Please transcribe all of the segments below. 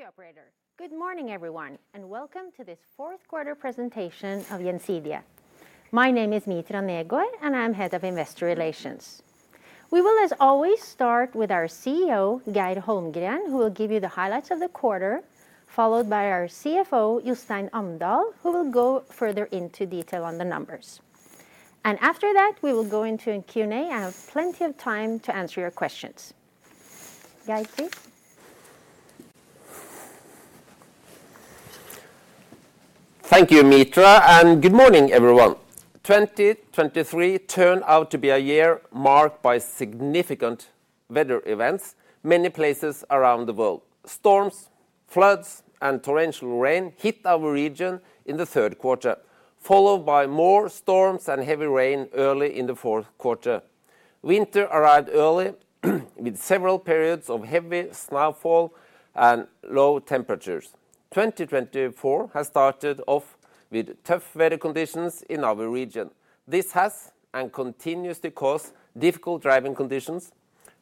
Thank you, operator. Good morning, everyone, and welcome to this Fourth Quarter Presentation of Gjensidige. My name is Mitra Negård, and I'm Head of Investor Relations. We will, as always, start with our CEO, Geir Holmgren, who will give you the highlights of the quarter, followed by our CFO, Jostein Amdal, who will go further into detail on the numbers. And after that, we will go into a Q&A and have plenty of time to answer your questions. Geir, please. Thank you, Mitra, and good morning, everyone. 2023 turned out to be a year marked by significant weather events, many places around the world. Storms, floods, and torrential rain hit our region in the third quarter, followed by more storms and heavy rain early in the fourth quarter. Winter arrived early, with several periods of heavy snowfall and low temperatures. 2024 has started off with tough weather conditions in our region. This has and continues to cause difficult driving conditions.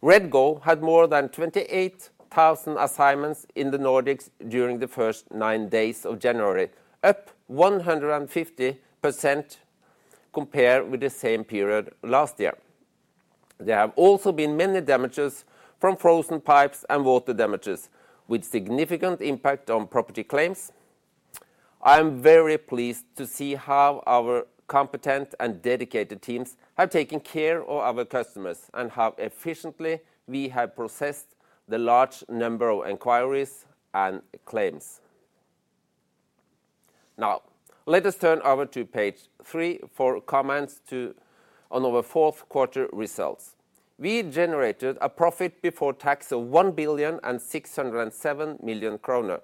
REDGO had more than 28,000 assignments in the Nordics during the first nine days of January, up 150% compared with the same period last year. There have also been many damages from frozen pipes and water damages, with significant impact on property claims. I am very pleased to see how our competent and dedicated teams have taken care of our customers and how efficiently we have processed the large number of inquiries and claims. Now, let us turn over to page three for comments on our fourth quarter results. We generated a profit before tax of 1,607 million kroner.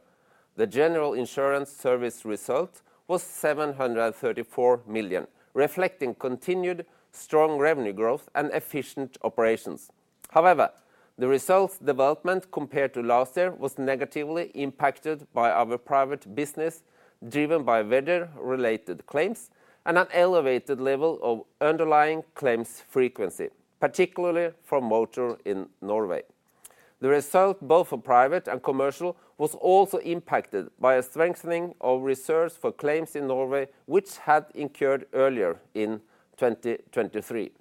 The general insurance service result was 734 million, reflecting continued strong revenue growth and efficient operations. However, the results development compared to last year was negatively impacted by our private business, driven by weather-related claims and an elevated level of underlying claims frequency, particularly from motor in Norway. The result, both for private and commercial, was also impacted by a strengthening of reserves for claims in Norway, which had incurred earlier in 2023.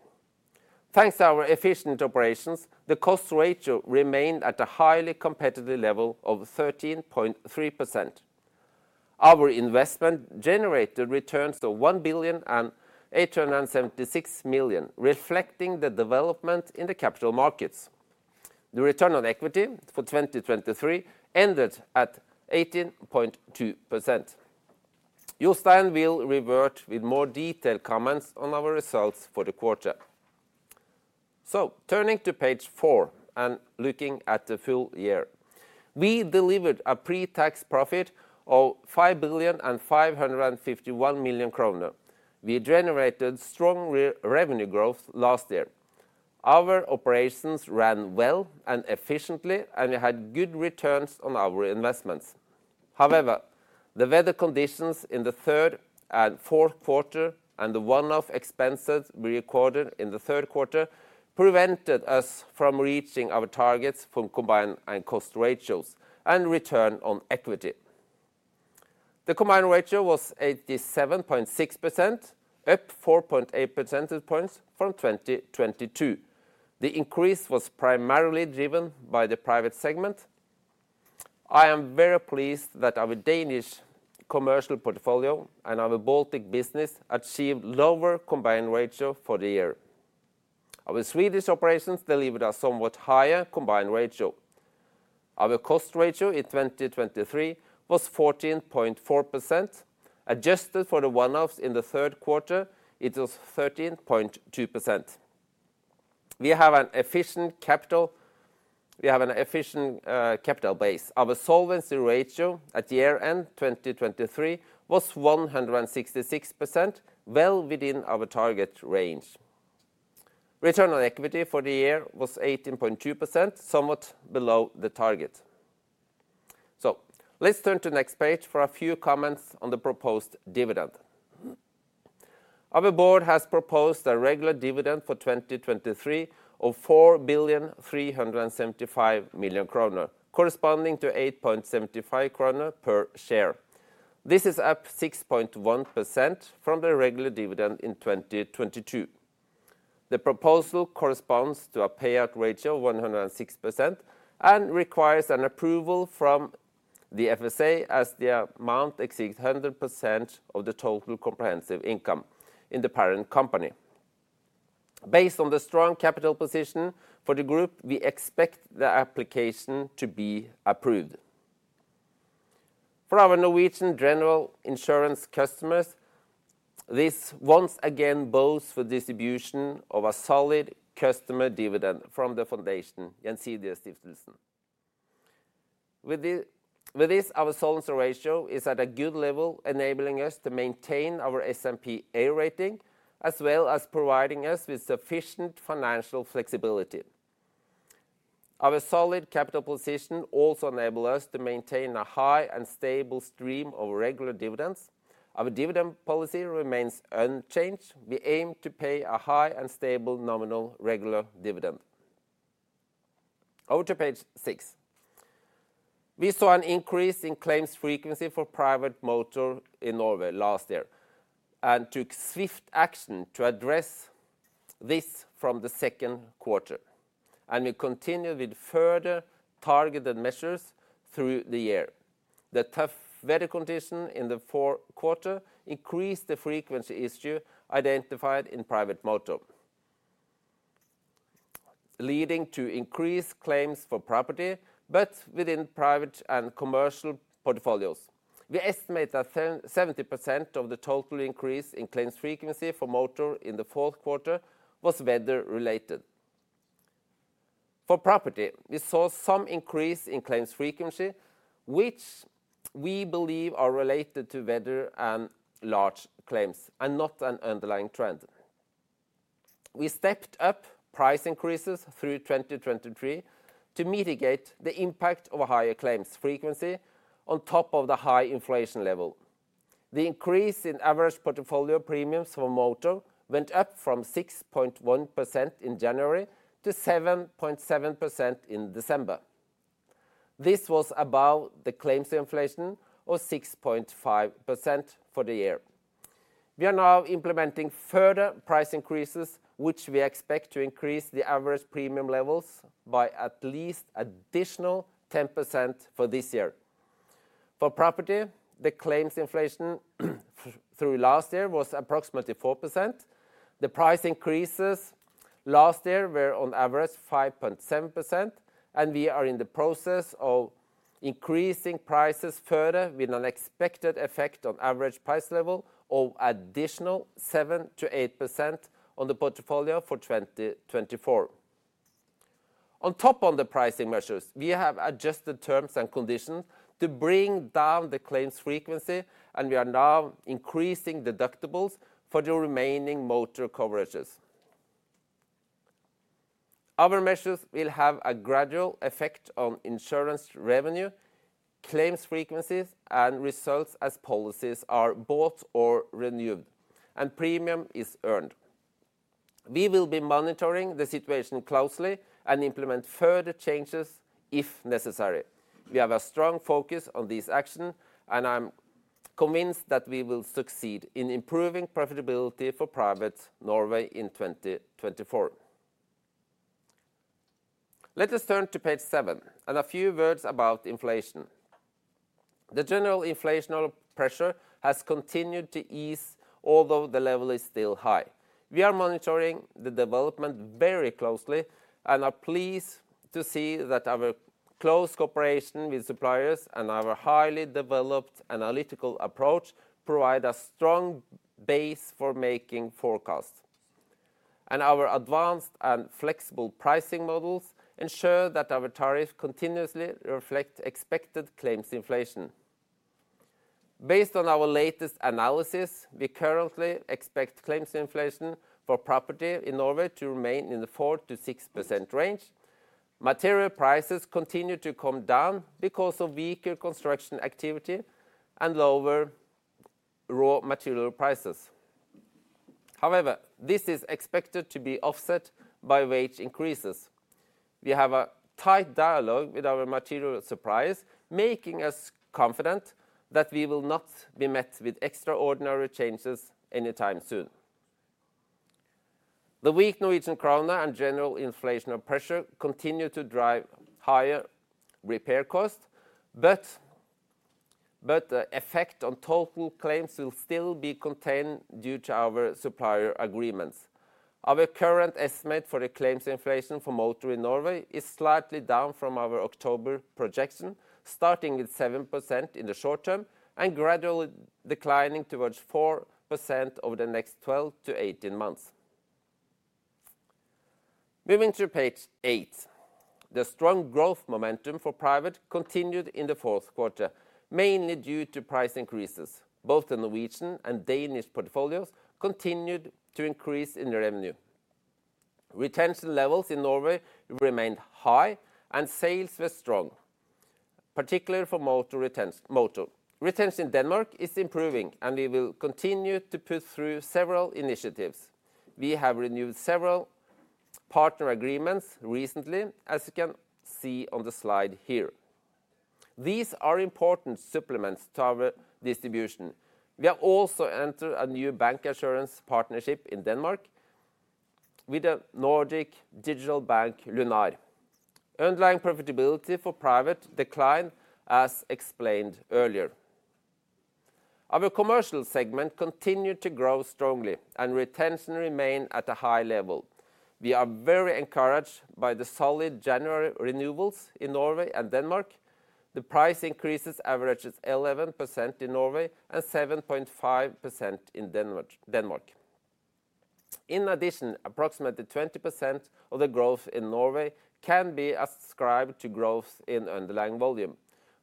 Thanks to our efficient operations, the cost ratio remained at a highly competitive level of 13.3%. Our investment generated returns to 1,876 million, reflecting the development in the capital markets. The return on equity for 2023 ended at 18.2%. Jostein will revert with more detailed comments on our results for the quarter. So turning to page four and looking at the full year, we delivered a pre-tax profit of 5,551 million kroner. We generated strong revenue growth last year. Our operations ran well and efficiently, and we had good returns on our investments. However, the weather conditions in the third and fourth quarter, and the one-off expenses we recorded in the third quarter, prevented us from reaching our targets for combined and cost ratios and return on equity. The combined ratio was 87.6%, up 4.8 percentage points from 2022. The increase was primarily driven by the private segment. I am very pleased that our Danish commercial portfolio and our Baltic business achieved lower combined ratio for the year. Our Swedish operations delivered a somewhat higher combined ratio. Our cost ratio in 2023 was 14.4%. Adjusted for the one-offs in the third quarter, it was 13.2%. We have an efficient capital base. Our solvency ratio at the year end, 2023, was 166%, well within our target range. Return on equity for the year was 18.2%, somewhat below the target. So let's turn to the next page for a few comments on the proposed dividend. Our board has proposed a regular dividend for 2023 of 4.375 billion, corresponding to 8.75 kroner per share. This is up 6.1% from the regular dividend in 2022. The proposal corresponds to a payout ratio of 106% and requires an approval from the FSA, as the amount exceeds 100% of the total comprehensive income in the parent company. Based on the strong capital position for the group, we expect the application to be approved. For our Norwegian general insurance customers, this once again provides for distribution of a solid customer dividend from the foundation, Gjensidigestiftelsen. With this, our solvency ratio is at a good level, enabling us to maintain our S&P A rating, as well as providing us with sufficient financial flexibility. Our solid capital position also enable us to maintain a high and stable stream of regular dividends. Our dividend policy remains unchanged. We aim to pay a high and stable nominal regular dividend. Over to page six. We saw an increase in claims frequency for private motor in Norway last year, and took swift action to address this from the second quarter, and we continued with further targeted measures through the year. The tough weather condition in the fourth quarter increased the frequency issue identified in private motor, leading to increased claims for property, but within private and commercial portfolios. We estimate that 70% of the total increase in claims frequency for motor in the fourth quarter was weather-related. For property, we saw some increase in claims frequency, which we believe are related to weather and large claims, and not an underlying trend. We stepped up price increases through 2023 to mitigate the impact of a higher claims frequency on top of the high inflation level. The increase in average portfolio premiums for motor went up from 6.1% in January to 7.7% in December. This was above the claims inflation of 6.5% for the year. We are now implementing further price increases, which we expect to increase the average premium levels by at least additional 10% for this year. For property, the claims inflation through last year was approximately 4%. The price increases last year were on average 5.7%, and we are in the process of increasing prices further with an expected effect on average price level of additional 7%-8% on the portfolio for 2024. On top of the pricing measures, we have adjusted terms and conditions to bring down the claims frequency, and we are now increasing deductibles for the remaining motor coverages. Other measures will have a gradual effect on insurance revenue, claims frequencies, and results as policies are bought or renewed, and premium is earned. We will be monitoring the situation closely and implement further changes if necessary. We have a strong focus on this action, and I'm convinced that we will succeed in improving profitability for Private Norway in 2024. Let us turn to page 7, and a few words about inflation. The general inflationary pressure has continued to ease, although the level is still high. We are monitoring the development very closely and are pleased to see that our close cooperation with suppliers and our highly developed analytical approach provide a strong base for making forecasts. Our advanced and flexible pricing models ensure that our tariffs continuously reflect expected claims inflation. Based on our latest analysis, we currently expect claims inflation for property in Norway to remain in the 4%-6% range. Material prices continue to come down because of weaker construction activity and lower raw material prices. However, this is expected to be offset by wage increases. We have a tight dialogue with our material suppliers, making us confident that we will not be met with extraordinary changes anytime soon. The weak Norwegian kroner and general inflationary pressure continue to drive higher repair costs, but the effect on total claims will still be contained due to our supplier agreements. Our current estimate for the claims inflation for motor in Norway is slightly down from our October projection, starting with 7% in the short term and gradually declining towards 4% over the next 12-18 months. Moving to page 8. The strong growth momentum for Private continued in the fourth quarter, mainly due to price increases. Both the Norwegian and Danish portfolios continued to increase in revenue. Retention levels in Norway remained high, and sales were strong, particularly for motor. Retention in Denmark is improving, and we will continue to push through several initiatives. We have renewed several partner agreements recently, as you can see on the slide here. These are important supplements to our distribution. We have also entered a new bank insurance partnership in Denmark with a Nordic digital bank, Lunar. Underlying profitability for Private declined, as explained earlier. Our commercial segment continued to grow strongly, and retention remained at a high level. We are very encouraged by the solid January renewals in Norway and Denmark. The price increases averages 11% in Norway and 7.5% in Denmark, Denmark. In addition, approximately 20% of the growth in Norway can be ascribed to growth in underlying volume.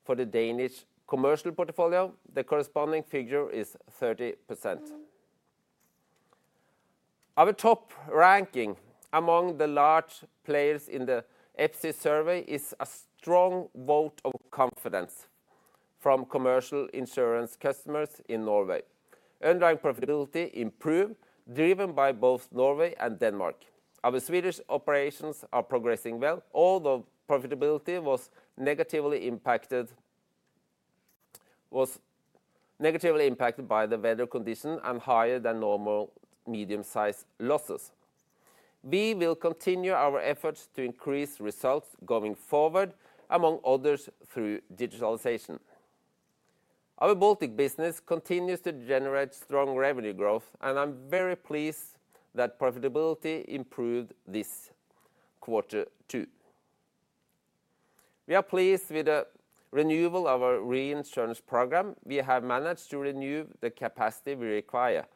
For the Danish commercial portfolio, the corresponding figure is 30%. Our top ranking among the large players in the EPSI survey is a strong vote of confidence from commercial insurance customers in Norway. Underlying profitability improved, driven by both Norway and Denmark. Our Swedish operations are progressing well, although profitability was negatively impacted by the weather condition and higher than normal medium-sized losses. We will continue our efforts to increase results going forward, among others, through digitalization. Our Baltic business continues to generate strong revenue growth, and I'm very pleased that profitability improved this quarter, too. We are pleased with the renewal of our reinsurance program. We have managed to renew the capacity we require.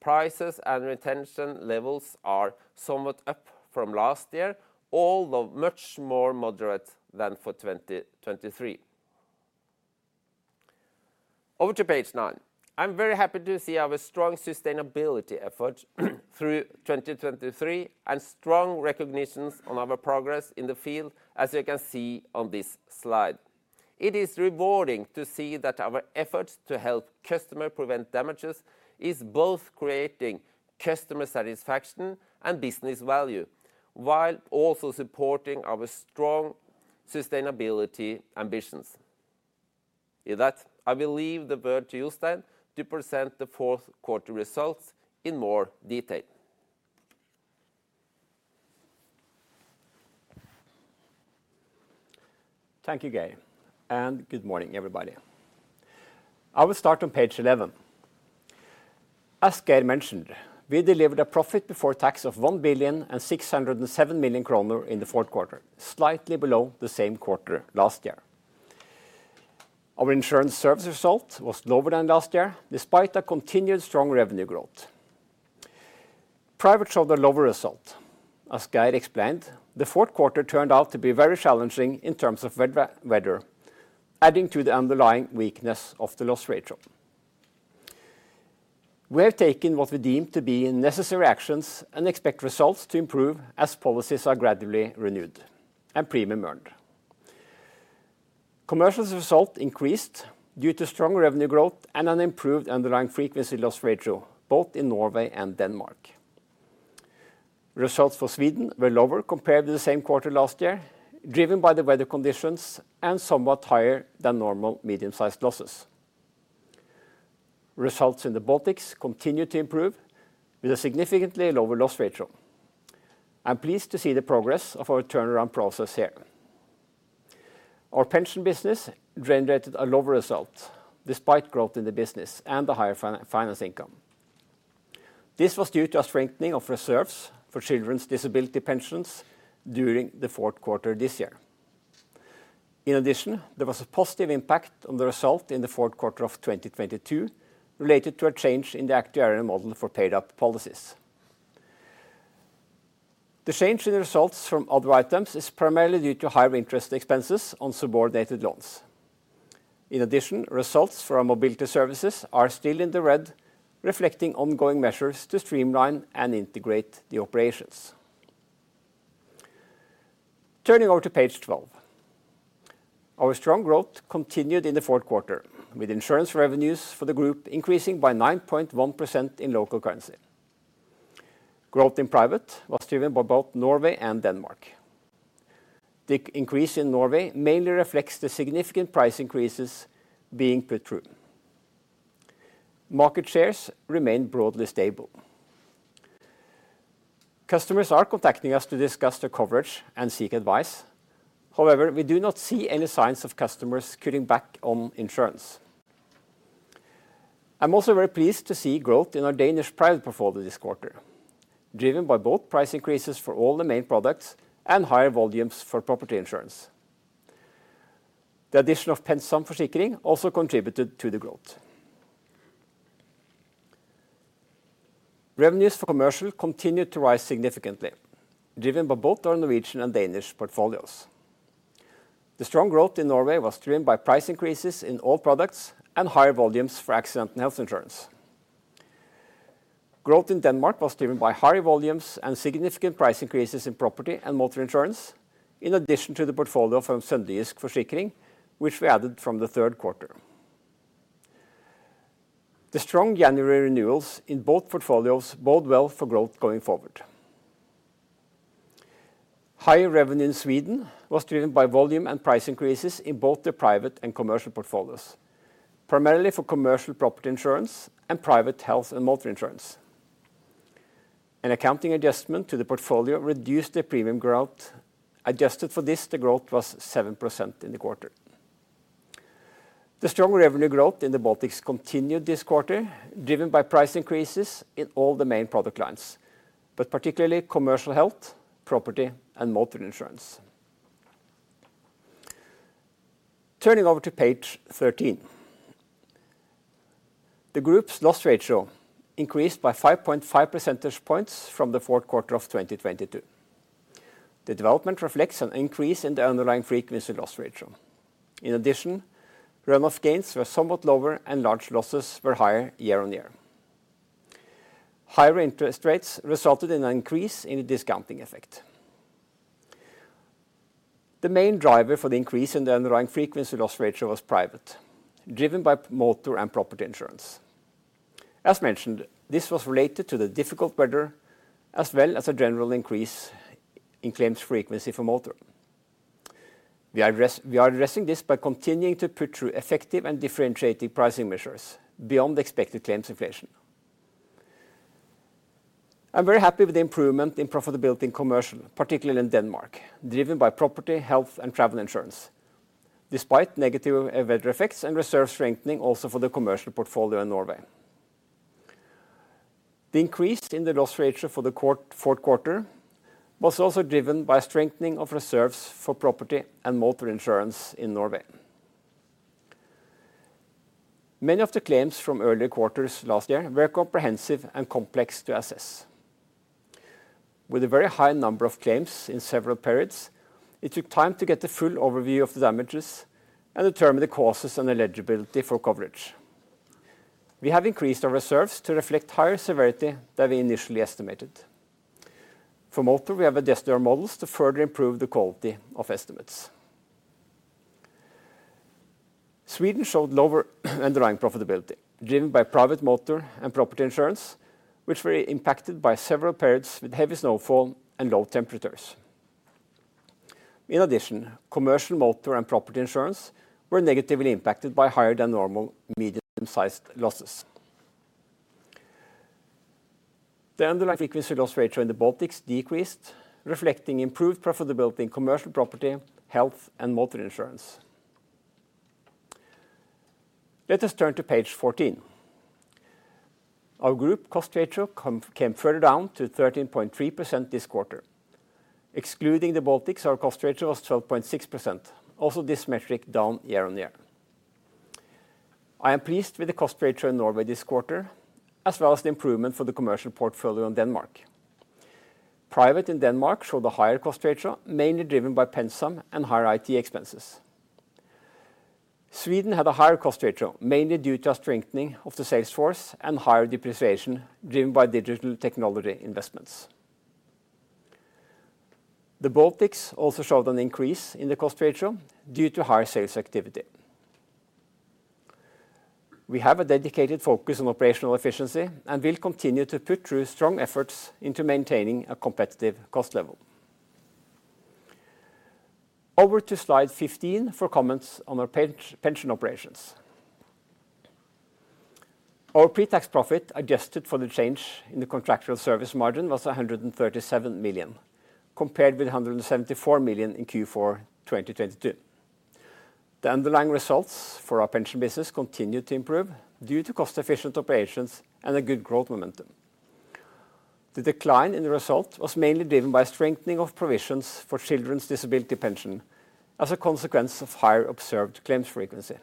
Prices and retention levels are somewhat up from last year, although much more moderate than for 2023. Over to page nine. I'm very happy to see our strong sustainability efforts through 2023, and strong recognitions on our progress in the field, as you can see on this slide. It is rewarding to see that our efforts to help customer prevent damages is both creating customer satisfaction and business value, while also supporting our strong sustainability ambitions. With that, I will leave the word to Jostein to present the fourth quarter results in more detail. Thank you, Geir, and good morning, everybody. I will start on page 11. As Geir mentioned, we delivered a profit before tax of 1,607 million kroner in the fourth quarter, slightly below the same quarter last year. Our insurance service result was lower than last year, despite a continued strong revenue growth. Private showed a lower result. As Geir explained, the fourth quarter turned out to be very challenging in terms of weather, adding to the underlying weakness of the loss ratio. We have taken what we deemed to be necessary actions and expect results to improve as policies are gradually renewed and premium earned. Commercial's result increased due to strong revenue growth and an improved underlying frequency loss ratio, both in Norway and Denmark. Results for Sweden were lower compared to the same quarter last year, driven by the weather conditions and somewhat higher than normal medium-sized losses. Results in the Baltics continued to improve with a significantly lower loss ratio. I'm pleased to see the progress of our turnaround process here. Our pension business generated a lower result, despite growth in the business and the higher financial income. This was due to a strengthening of reserves for children's disability pensions during the fourth quarter this year. In addition, there was a positive impact on the result in the fourth quarter of 2022, related to a change in the actuarial model for paid up policies. The change in the results from other items is primarily due to higher interest expenses on subordinated loans. In addition, results from our mobility services are still in the red, reflecting ongoing measures to streamline and integrate the operations. Turning over to page 12. Our strong growth continued in the fourth quarter, with insurance revenues for the group increasing by 9.1% in local currency. Growth in private was driven by both Norway and Denmark. The increase in Norway mainly reflects the significant price increases being put through. Market shares remain broadly stable. Customers are contacting us to discuss their coverage and seek advice. However, we do not see any signs of customers cutting back on insurance. I'm also very pleased to see growth in our Danish private portfolio this quarter, driven by both price increases for all the main products and higher volumes for property insurance. The addition of PenSam Forsikring also contributed to the growth. Revenues for commercial continued to rise significantly, driven by both our Norwegian and Danish portfolios. The strong growth in Norway was driven by price increases in all products and higher volumes for accident and health insurance. Growth in Denmark was driven by higher volumes and significant price increases in property and motor insurance, in addition to the portfolio from Sønderjysk Forsikring, which we added from the third quarter. The strong January renewals in both portfolios bode well for growth going forward. Higher revenue in Sweden was driven by volume and price increases in both the private and commercial portfolios, primarily for commercial property insurance and private health and motor insurance. An accounting adjustment to the portfolio reduced the premium growth. Adjusted for this, the growth was 7% in the quarter. The strong revenue growth in the Baltics continued this quarter, driven by price increases in all the main product lines, but particularly commercial health, property, and motor insurance. Turning over to page 13. The group's loss ratio increased by 5.5 percentage points from the fourth quarter of 2022. The development reflects an increase in the underlying frequency loss ratio. In addition, run-off gains were somewhat lower, and large losses were higher year on year. Higher interest rates resulted in an increase in the discounting effect. The main driver for the increase in the underlying frequency loss ratio was private, driven by motor and property insurance. As mentioned, this was related to the difficult weather, as well as a general increase in claims frequency for motor. We are addressing this by continuing to put through effective and differentiating pricing measures beyond the expected claims inflation. I'm very happy with the improvement in profitability in commercial, particularly in Denmark, driven by property, health, and travel insurance, despite negative weather effects and reserve strengthening also for the commercial portfolio in Norway. The increase in the loss ratio for the fourth quarter was also driven by a strengthening of reserves for property and motor insurance in Norway. Many of the claims from earlier quarters last year were comprehensive and complex to assess. With a very high number of claims in several periods, it took time to get the full overview of the damages and determine the causes and eligibility for coverage. We have increased our reserves to reflect higher severity than we initially estimated. For motor, we have adjusted our models to further improve the quality of estimates. Sweden showed lower underlying profitability, driven by private motor and property insurance, which were impacted by several periods with heavy snowfall and low temperatures. In addition, commercial motor and property insurance were negatively impacted by higher than normal medium-sized losses. The underlying frequency loss ratio in the Baltics decreased, reflecting improved profitability in commercial property, health, and motor insurance. Let us turn to page 14. Our group cost ratio came further down to 13.3% this quarter. Excluding the Baltics, our cost ratio was 12.6%, also this metric down year-on-year. I am pleased with the cost ratio in Norway this quarter, as well as the improvement for the commercial portfolio in Denmark. Private in Denmark showed a higher cost ratio, mainly driven by PenSam and higher IT expenses. Sweden had a higher cost ratio, mainly due to a strengthening of the sales force and higher depreciation, driven by digital technology investments. The Baltics also showed an increase in the cost ratio due to higher sales activity. We have a dedicated focus on operational efficiency and will continue to put through strong efforts into maintaining a competitive cost level. Over to slide 15 for comments on our pension operations. Our pre-tax profit, adjusted for the change in the contractual service margin, was 137 million, compared with 174 million in Q4 2022. The underlying results for our pension business continued to improve due to cost-efficient operations and a good growth momentum. The decline in the result was mainly driven by strengthening of provisions for children's disability pension as a consequence of higher observed claims frequency.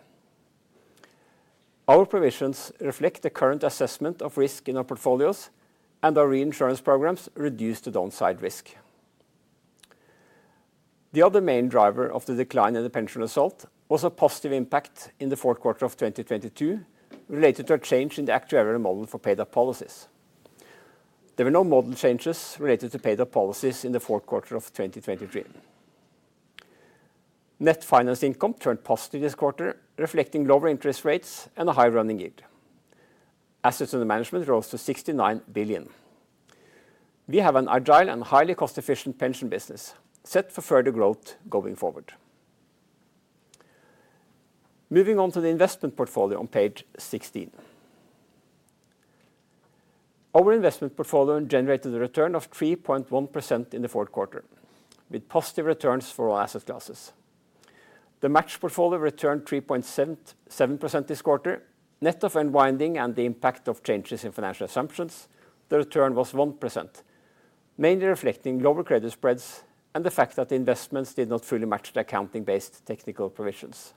Our provisions reflect the current assessment of risk in our portfolios, and our reinsurance programs reduce the downside risk. The other main driver of the decline in the pension result was a positive impact in the fourth quarter of 2022, related to a change in the actuarial model for paid up policies. There were no model changes related to paid up policies in the fourth quarter of 2023. Net finance income turned positive this quarter, reflecting lower interest rates and a high running yield. Assets under management rose to 69 billion. We have an agile and highly cost-efficient pension business, set for further growth going forward. Moving on to the investment portfolio on page 16. Our investment portfolio generated a return of 3.1% in the fourth quarter, with positive returns for all asset classes. The match portfolio returned 3.77% this quarter. Net of unwinding and the impact of changes in financial assumptions, the return was 1%, mainly reflecting lower credit spreads and the fact that the investments did not fully match the accounting-based technical provisions.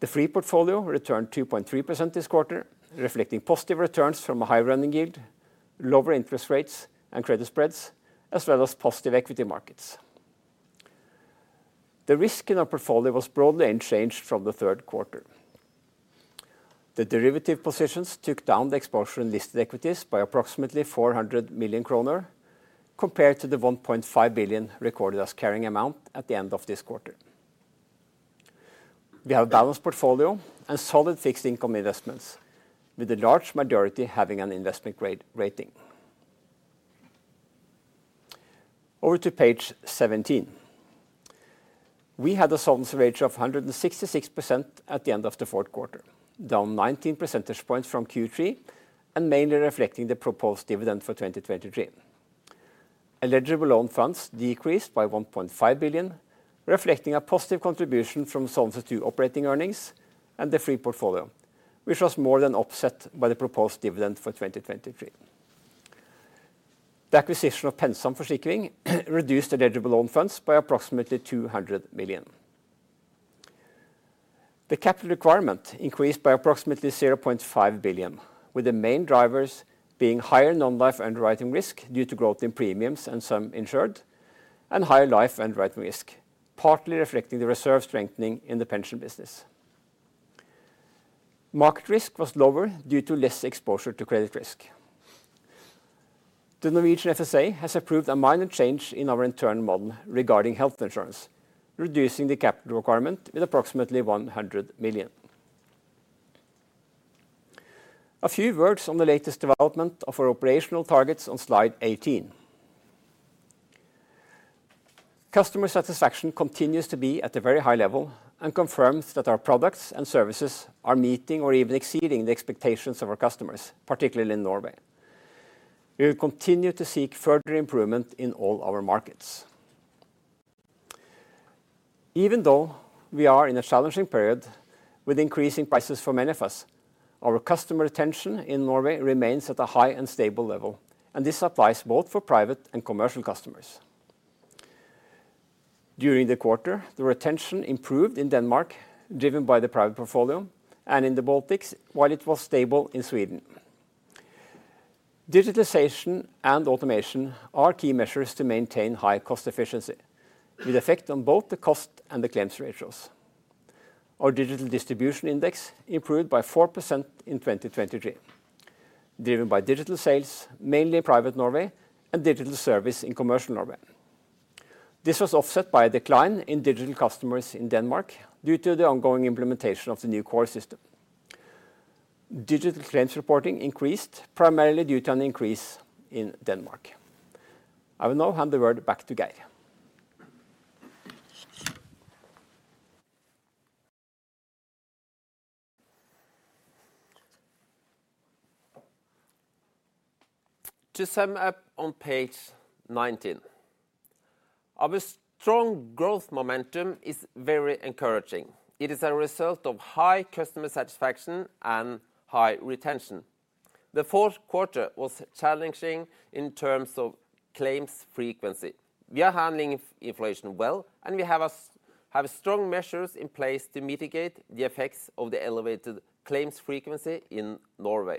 The free portfolio returned 2.3% this quarter, reflecting positive returns from a high running yield, lower interest rates and credit spreads, as well as positive equity markets. The risk in our portfolio was broadly unchanged from the third quarter. The derivative positions took down the exposure in listed equities by approximately 400 million kroner, compared to the 1.5 billion recorded as carrying amount at the end of this quarter. We have a balanced portfolio and solid fixed income investments, with the large majority having an investment grade rating. Over to page seventeen. We had a solvency ratio of 166% at the end of the fourth quarter, down 19 percentage points from Q3 and mainly reflecting the proposed dividend for 2023. Eligible own funds decreased by 1.5 billion, reflecting a positive contribution from Solvency II operating earnings and the free portfolio, which was more than offset by the proposed dividend for 2023. The acquisition of PenSam Forsikring reduced the eligible own funds by approximately 200 million. The capital requirement increased by approximately 0.5 billion, with the main drivers being higher non-life underwriting risk due to growth in premiums and some insured and higher life underwriting risk, partly reflecting the reserve strengthening in the pension business. Market risk was lower due to less exposure to credit risk. The Norwegian FSA has approved a minor change in our internal model regarding health insurance, reducing the capital requirement with approximately 100 million. A few words on the latest development of our operational targets on slide 18. Customer satisfaction continues to be at a very high level, and confirms that our products and services are meeting or even exceeding the expectations of our customers, particularly in Norway. We will continue to seek further improvement in all our markets. Even though we are in a challenging period with increasing prices for many of us, our customer retention in Norway remains at a high and stable level, and this applies both for private and commercial customers. During the quarter, the retention improved in Denmark, driven by the private portfolio and in the Baltics, while it was stable in Sweden. Digitalization and automation are key measures to maintain high cost efficiency, with effect on both the cost and the claims ratios. Our digital distribution index improved by 4% in 2023, driven by digital sales, mainly private Norway and digital service in commercial Norway. This was offset by a decline in digital customers in Denmark, due to the ongoing implementation of the new core system. Digital claims reporting increased, primarily due to an increase in Denmark. I will now hand the word back to Geir. To sum up on page 19, our strong growth momentum is very encouraging. It is a result of high customer satisfaction and high retention. The fourth quarter was challenging in terms of claims frequency. We are handling inflation well, and we have strong measures in place to mitigate the effects of the elevated claims frequency in Norway.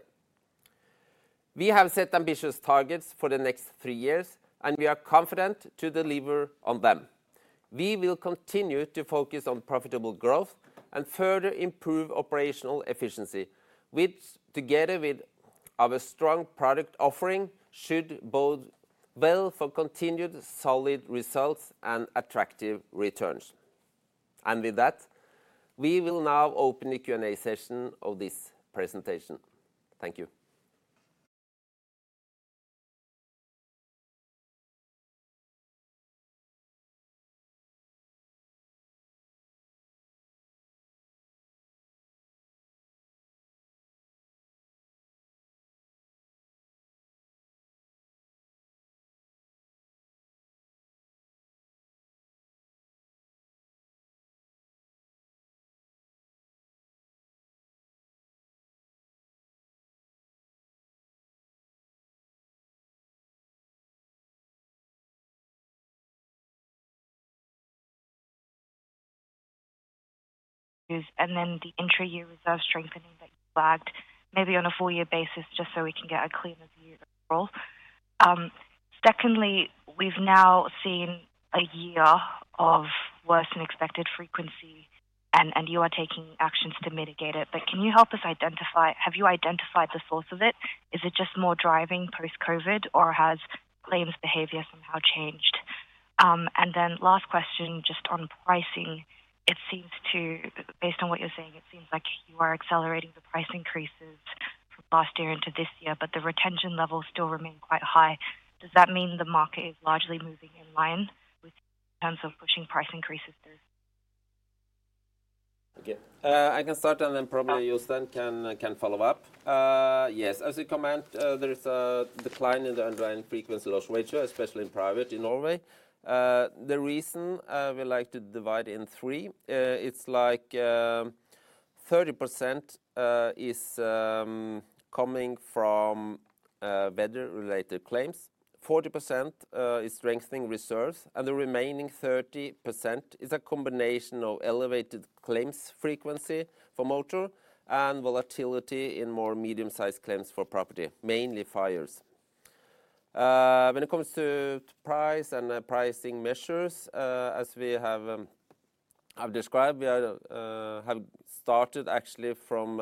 We have set ambitious targets for the next 3 years, and we are confident to deliver on them. We will continue to focus on profitable growth and further improve operational efficiency, which, together with our strong product offering, should bode well for continued solid results and attractive returns. And with that, we will now open the Q&A session of this presentation. Thank you. And then the intra-year reserve strengthening that you flagged, maybe on a full year basis, just so we can get a clearer view of the role. Secondly, we've now seen a year of worse than expected frequency, and you are taking actions to mitigate it, but can you help us identify, have you identified the source of it? Is it just more driving post-COVID, or has claims behavior somehow changed? And then last question, just on pricing. It seems to, based on what you're saying, it seems like you are accelerating the price increases from last year into this year, but the retention levels still remain quite high. Does that mean the market is largely moving in line with in terms of pushing price increases this? Okay, I can start, and then probably Jostein can follow up. Yes, as you comment, there is a decline in the underlying frequency loss ratio, especially in private in Norway. The reason we like to divide in three, it's like, 30% is coming from weather-related claims, 40% is strengthening reserves, and the remaining 30% is a combination of elevated claims frequency for motor and volatility in more medium-sized claims for property, mainly fires. When it comes to price and pricing measures, as we have described, we have started actually from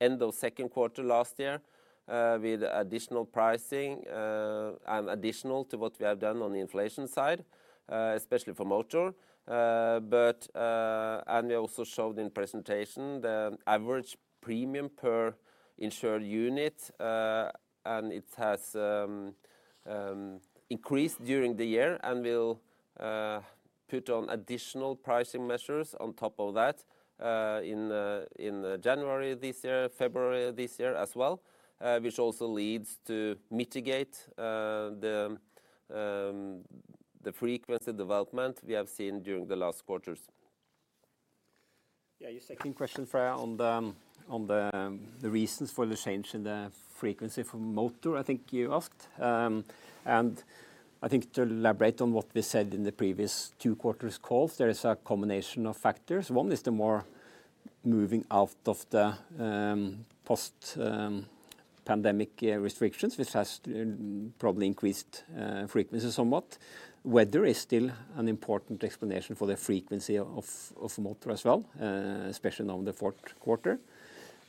end of second quarter last year, with additional pricing, and additional to what we have done on the inflation side, especially for motor. But and we also showed in presentation the average premium per insured unit, and it has increased during the year, and we'll put on additional pricing measures on top of that in January this year, February this year as well, which also leads to mitigate the frequency development we have seen during the last quarters. Your second question, Freya, on the reasons for the change in the frequency for motor, I think you asked. And I think to elaborate on what we said in the previous two quarters calls, there is a combination of factors. One is the more moving out of the post pandemic restrictions, which has probably increased frequencies somewhat. Weather is still an important explanation for the frequency of motor as well, especially now in the fourth quarter.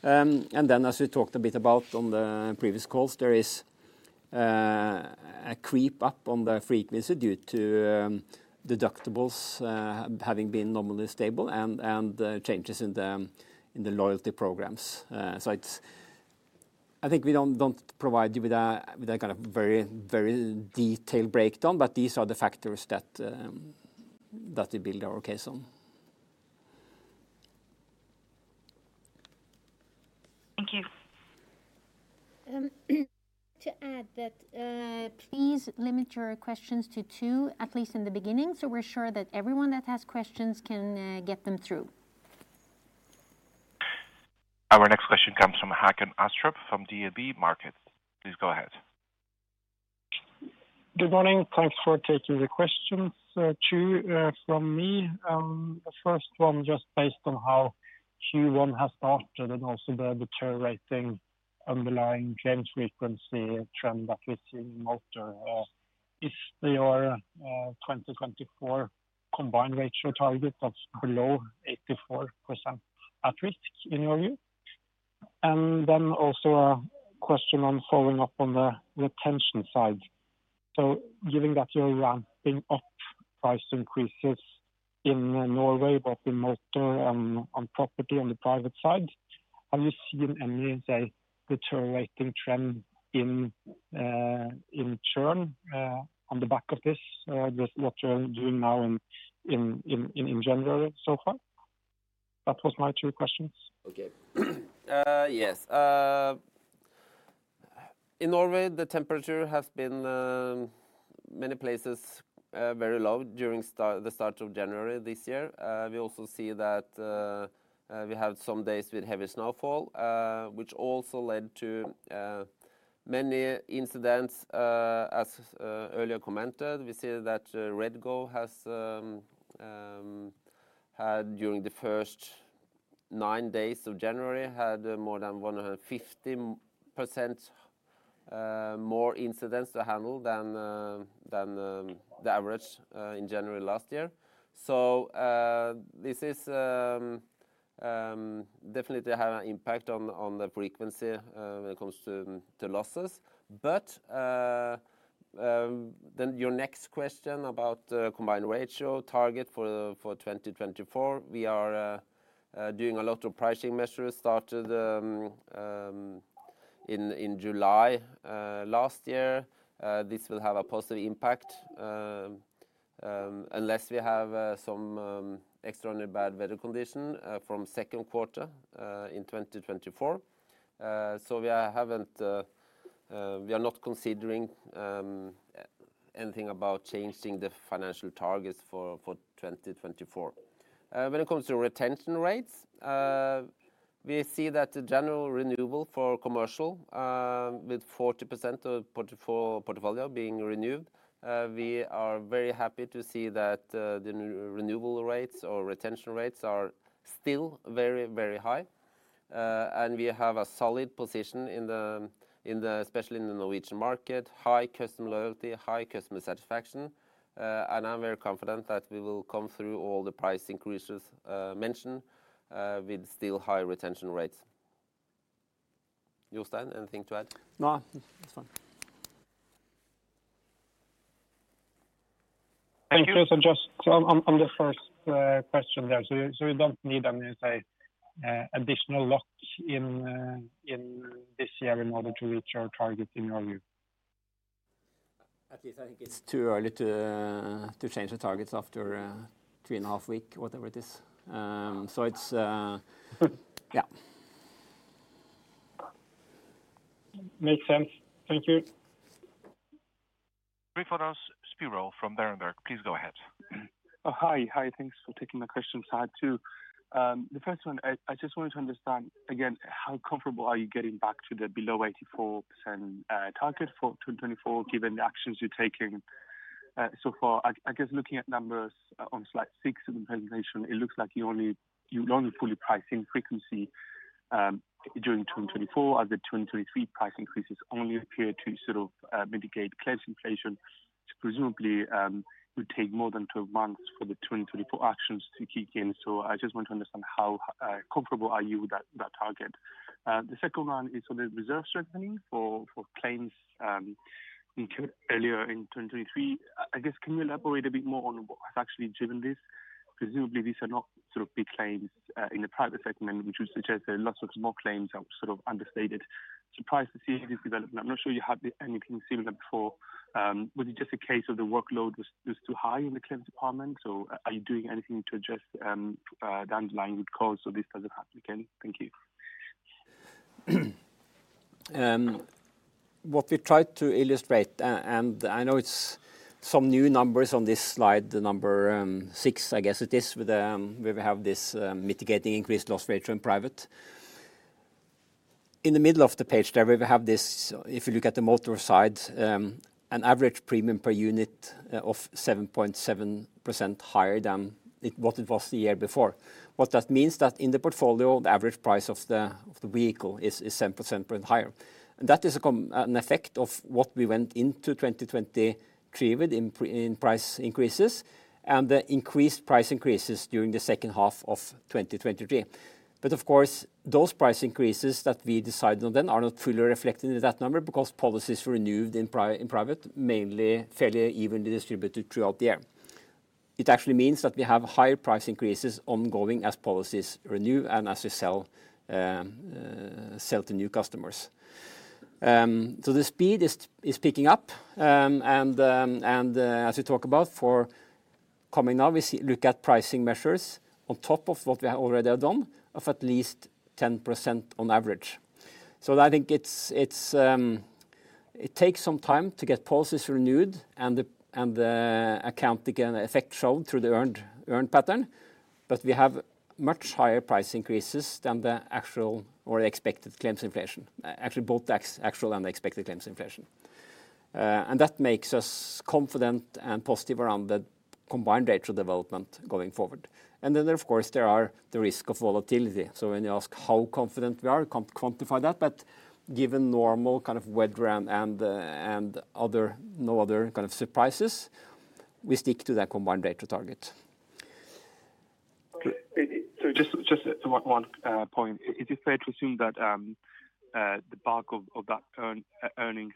And then as we talked a bit about on the previous calls, there is a creep up on the frequency due to deductibles having been normally stable and changes in the loyalty programs. So it's-- I think we don't provide you with a kind of very detailed breakdown, but these are the factors that we build our case on. Thank you. To add that, please limit your questions to two, at least in the beginning, so we're sure that everyone that has questions can get them through. Our next question comes from Håkon Astrup from DNB Markets. Please go ahead. Good morning. Thanks for taking the questions. Two from me. The first one, just based on how Q1 has started and also the deteriorating underlying claims frequency trend that we see in motor. If they are 2024 combined ratio targets, that's below 84% at risk, in your view? And then also a question on following up on the retention side. So given that you're ramping up price increases in Norway, both in motor and on property on the private side, have you seen any, say, deteriorating trend in churn on the back of this with what you're doing now in January so far? That was my two questions. Okay. Yes. In Norway, the temperature has been many places very low during the start of January this year. We also see that we had some days with heavy snowfall, which also led to many incidents. As earlier commented, we see that REDGO has had during the first nine days of January had more than 150% more incidents to handle than the average in January last year. So, this is definitely have an impact on the frequency when it comes to losses. But then your next question about the combined ratio target for 2024, we are doing a lot of pricing measures started in July last year. This will have a positive impact, unless we have some extremely bad weather condition from second quarter in 2024. So we are not considering anything about changing the financial targets for 2024. When it comes to retention rates, we see that the general renewal for commercial, with 40% of portfolio being renewed, we are very happy to see that the renewal rates or retention rates are still very, very high. And we have a solid position in the especially in the Norwegian market, high customer loyalty, high customer satisfaction, and I'm very confident that we will come through all the price increases mentioned with still high retention rates. Jostein, anything to add? No, that's fine. Thank you. So just on the first question there. So you don't need any, say, additional luck in this year in order to reach our target, in your view? At least I think it's too early to change the targets after 3.5 weeks, whatever it is. Makes sense. Thank you. Tryfonas Spyrou from Berenberg. Please go ahead. Oh, hi. Hi, thanks for taking my questions. I had two. The first one, I just wanted to understand, again, how comfortable are you getting back to the below 84% target for 2024, given the actions you're taking, so far? I guess looking at numbers on slide 6 of the presentation, it looks like you don't fully price in frequency during 2024, as the 2023 price increases only appear to mitigate claims inflation, which presumably would take more than 12 months for the 2024 actions to kick in. So I just want to understand how comfortable are you with that target? The second one is on the reserve strengthening for claims incurred earlier in 2023. I guess, can you elaborate a bit more on what has actually driven this? Presumably, these are not big claims in the private segment, which would suggest that lots of small claims are understated. Surprised to see this development. I'm not sure you had anything similar before. Was it just a case of the workload was too high in the claims department, or are you doing anything to address the underlying root cause so this doesn't happen again? Thank you. What we tried to illustrate, and I know it's some new numbers on this slide, the number, 6, I guess it is, with, where we have this, mitigating increased loss ratio in private. In the middle of the page there, we have this, if you look at the motor side, an average premium per unit of 7.7% higher than what it was the year before. What that means that in the portfolio, the average price of the, of the vehicle is, is 7% higher. And that is an effect of what we went into 2023 with in price increases and the increased price increases during the second half of 2023. But of course, those price increases that we decided on then are not fully reflected in that number, because policies renewed in private, mainly fairly evenly distributed throughout the year. It actually means that we have higher price increases ongoing as policies renew and as we sell sell to new customers. So the speed is picking up, and as we talk about for coming up, look at pricing measures on top of what we have already done, of at least 10% on average. So I think it takes some time to get policies renewed and the account again effect shown through the earned pattern, but we have much higher price increases than the actual or expected claims inflation. Actually, both the actual and the expected claims inflation. And that makes us confident and positive around the combined ratio development going forward. And then, of course, there are the risk of volatility. So when you ask how confident we are, can't quantify that, but given normal kind of weather and, and other, no other kind of surprises, we stick to that combined ratio target. Just one point. Is it fair to assume that the bulk of that earnings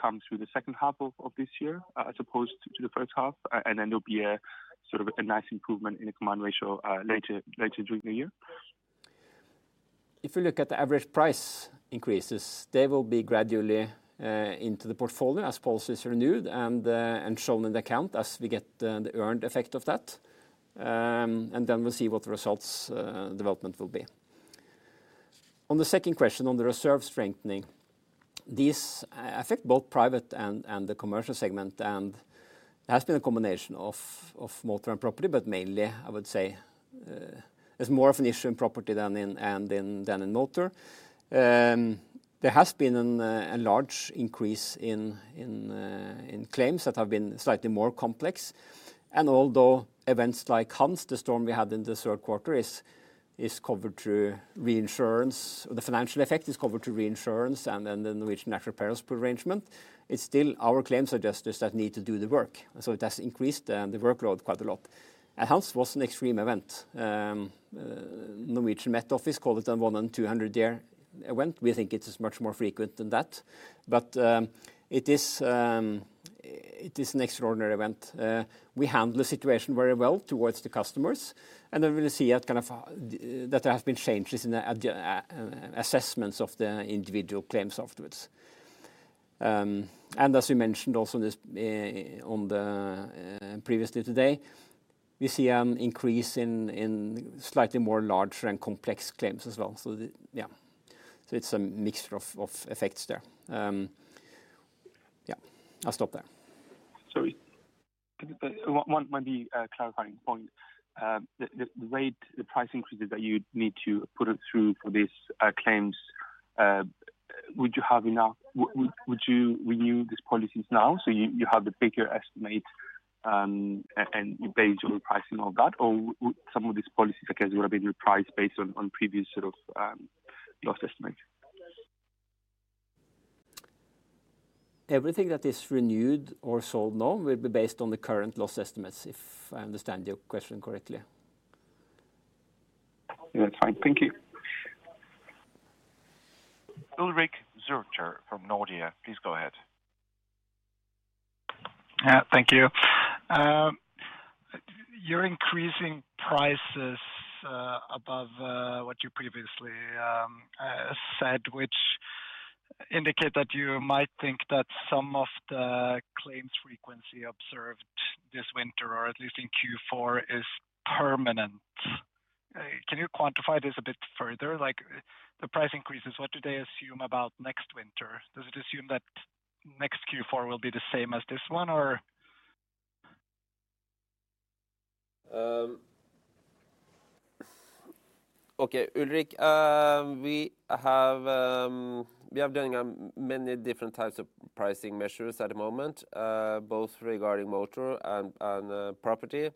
comes through the second half of this year, as opposed to the first half, and then there'll be a nice improvement in the combined ratio later during the year? If you look at the average price increases, they will be gradually into the portfolio as policies renewed and shown in the account as we get the earned effect of that. And then we'll see what the results development will be. On the second question, on the reserve strengthening, these affect both private and the commercial segment, and it has been a combination of motor and property, but mainly, I would say, it's more of an issue in property than in motor. There has been a large increase in claims that have been slightly more complex. And although events like Hans, the storm we had in the third quarter, is covered through reinsurance, the financial effect is covered through reinsurance, and then which natural perils pool arrangement, it's still our claims adjusters that need to do the work. So it has increased the workload quite a lot. And Hans was an extreme event. Norwegian Met Office called it a one-in-200-year event. We think it is much more frequent than that, but it is an extraordinary event. We handle the situation very well towards the customers, and then we'll see that kind of that there have been changes in the ad assessments of the individual claims afterwards. As we mentioned also in this, on the previously today, we see an increase in slightly larger and more complex claims as well. So it's a mixture of effects there. I'll stop there. Sorry. One, maybe, clarifying point. The rate, the price increases that you need to put it through for these claims, would you have enough? Would you renew these policies now, so you have the bigger estimate, and based on the pricing of that, or would some of these policies, I guess, have been repriced based on previous loss estimates? Everything that is renewed or sold now will be based on the current loss estimates, if I understand your question correctly. Fine. Thank you. Ulrik Zürcher from Nordea, please go ahead. Thank you. You're increasing prices above what you previously said, which indicate that you might think that some of the claims frequency observed this winter, or at least in Q4, is permanent. Can you quantify this a bit further? Like, the price increases, what do they assume about next winter? Does it assume that next Q4 will be the same as this one, or? Okay, Ulrik, we have, we are doing many different types of pricing measures at the moment, both regarding motor and property.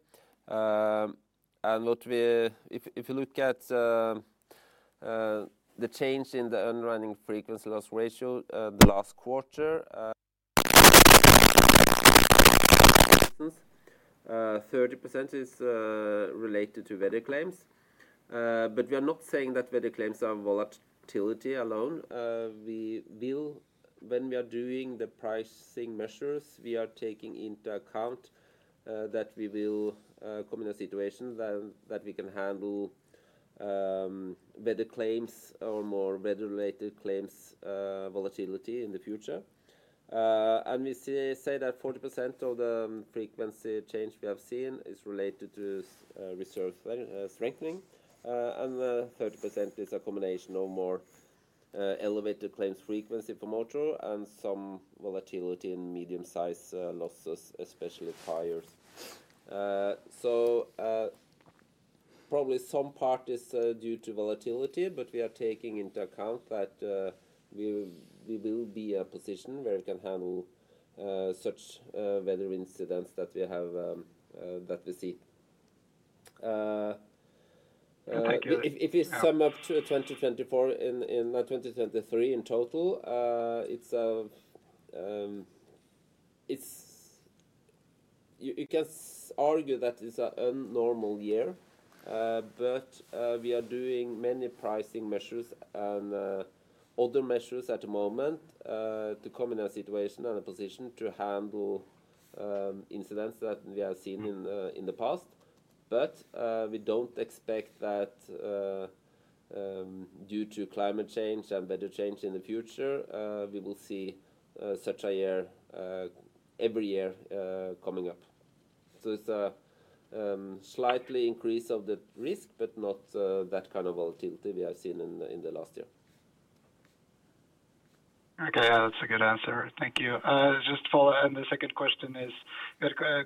And what we, if you look at the change in the underlying frequency loss ratio, the last quarter, 30% is related to weather claims. But we are not saying that weather claims are volatility alone. We will, when we are doing the pricing measures, we are taking into account that we will come in a situation that we can handle better claims or more weather-related claims volatility in the future. And we say that 40% of the frequency change we have seen is related to reserve re-strengthening, and 30% is a combination of more elevated claims frequency for motor and some volatility in medium-sized losses, especially fires. So, probably some part is due to volatility, but we are taking into account that we will be a position where we can handle such weather incidents that we have that we see. Thank you. If you sum up to 2024 in 2023 in total, it's, you can argue that it's an abnormal year. But we are doing many pricing measures and other measures at the moment to come in a situation and a position to handle incidents that we have seen in the past. But we don't expect that due to climate change and weather change in the future we will see such a year every year coming up. So it's a slight increase of the risk, but not that kind of volatility we have seen in the last year. That's a good answer. Thank you. Just follow, and the second question is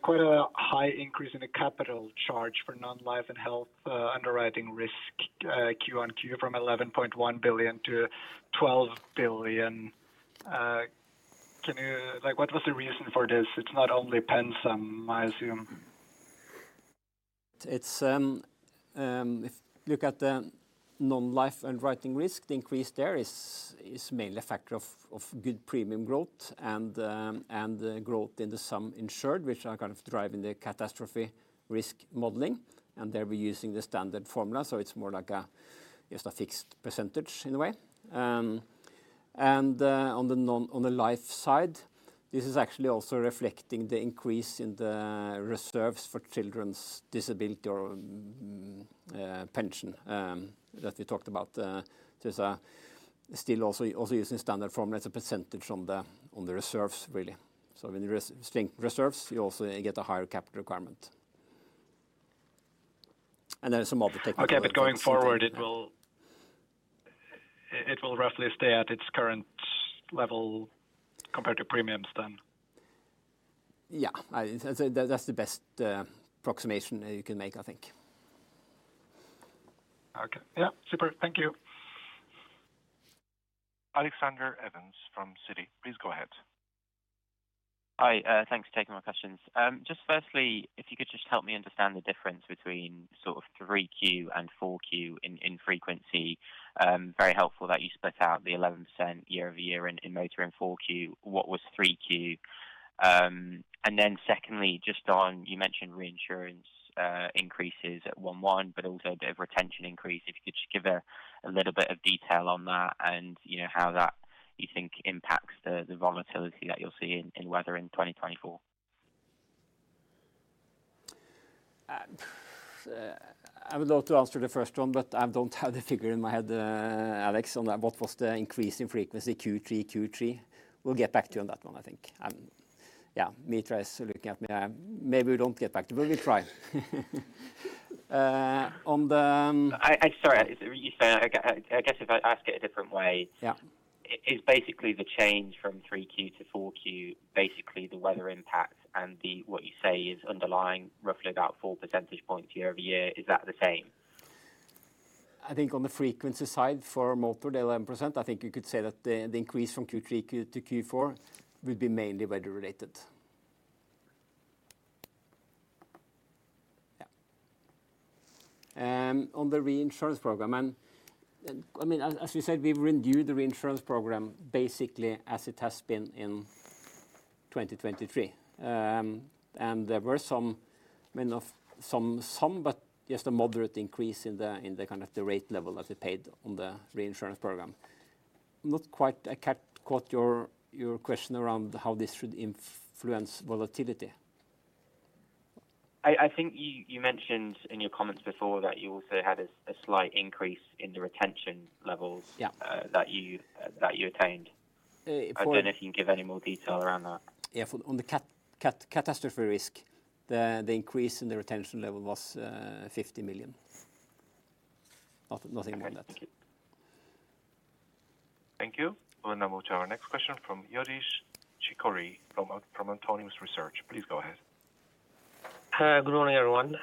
quite a high increase in the capital charge for non-life and health underwriting risk quarter-on-quarter, from 11.1 billion to 12 billion. What was the reason for this? It's not only PenSam, I assume. It's, if look at the non-life underwriting risk, the increase there is mainly a factor of good premium growth and growth in the sum insured, which are driving the catastrophe risk modeling, and they're using the standard formula, so it's more like just a fixed percentage in a way. And on the life side, this is actually also reflecting the increase in the reserves for children's disability or pension that we talked about. There's still also using standard formula as a percentage on the reserves, really. So when you restrengthen reserves, you also get a higher capital requirement. And there are some other technical- Okay, but going forward, it will roughly stay at its current level compared to premiums then? That's the best approximation you can make, I think. Okay, super. Thank you. Alexander Evans from Citi, please go ahead. Hi, thanks for taking my questions. Just firstly, if you could just help me understand the difference between Q3 and Q4 in, in frequency. Very helpful that you split out the 11% year-over-year in, in motor and Q4, what was Q3? And then secondly, just on you mentioned reinsurance, increases at 1.1, but also a bit of retention increase. If you could just give a, a little bit of detail on that and how that you think impacts the, the volatility that you'll see in, in weather in 2024. I would love to answer the first one, but I don't have the figure in my head, Alex, on what was the increase in frequency Q3, Q3. We'll get back to you on that one, I think. Mitra is looking at me. Maybe we don't get back to you, but we'll try. Sorry, you say, I guess if I ask it a different way is basically the change from 3Q to 4Q, basically the weather impact and the, what you say is underlying roughly about 4 percentage points year-over-year, is that the same? I think on the frequency side, for motor, the 11%, I think you could say that the increase from Q3 to Q4 would be mainly weather-related. On the reinsurance program, and as you said, we've renewed the reinsurance program basically as it has been in 2023. And there were some but just a moderate increase in the kind of the rate level that we paid on the reinsurance program. Not quite, I can't quote your question around how this should influence volatility. I think you mentioned in your comments before that you also had a slight increase in the retention levels that you attained.I don't know if you can give any more detail around that. On the catastrophe risk, the increase in the retention level was 50 million. Nothing more than that. Okay. Thank you. Thank you. We'll now move to our next question from Youdish Chicooree, from Autonomous Research. Please go ahead. Good morning, everyone.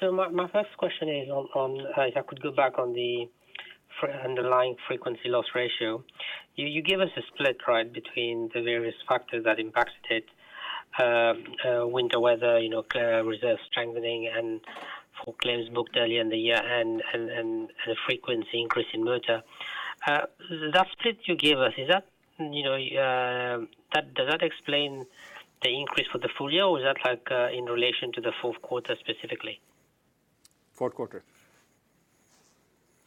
So my first question is on if I could go back on the underlying frequency loss ratio. You gave us a split, right, between the various factors that impacted winter weather clear reserve strengthening and for claims booked earlier in the year and the frequency increase in motor. That split you gave us, is that does that explain the increase for the full year, or is that, like, in relation to the fourth quarter, specifically? Fourth quarter.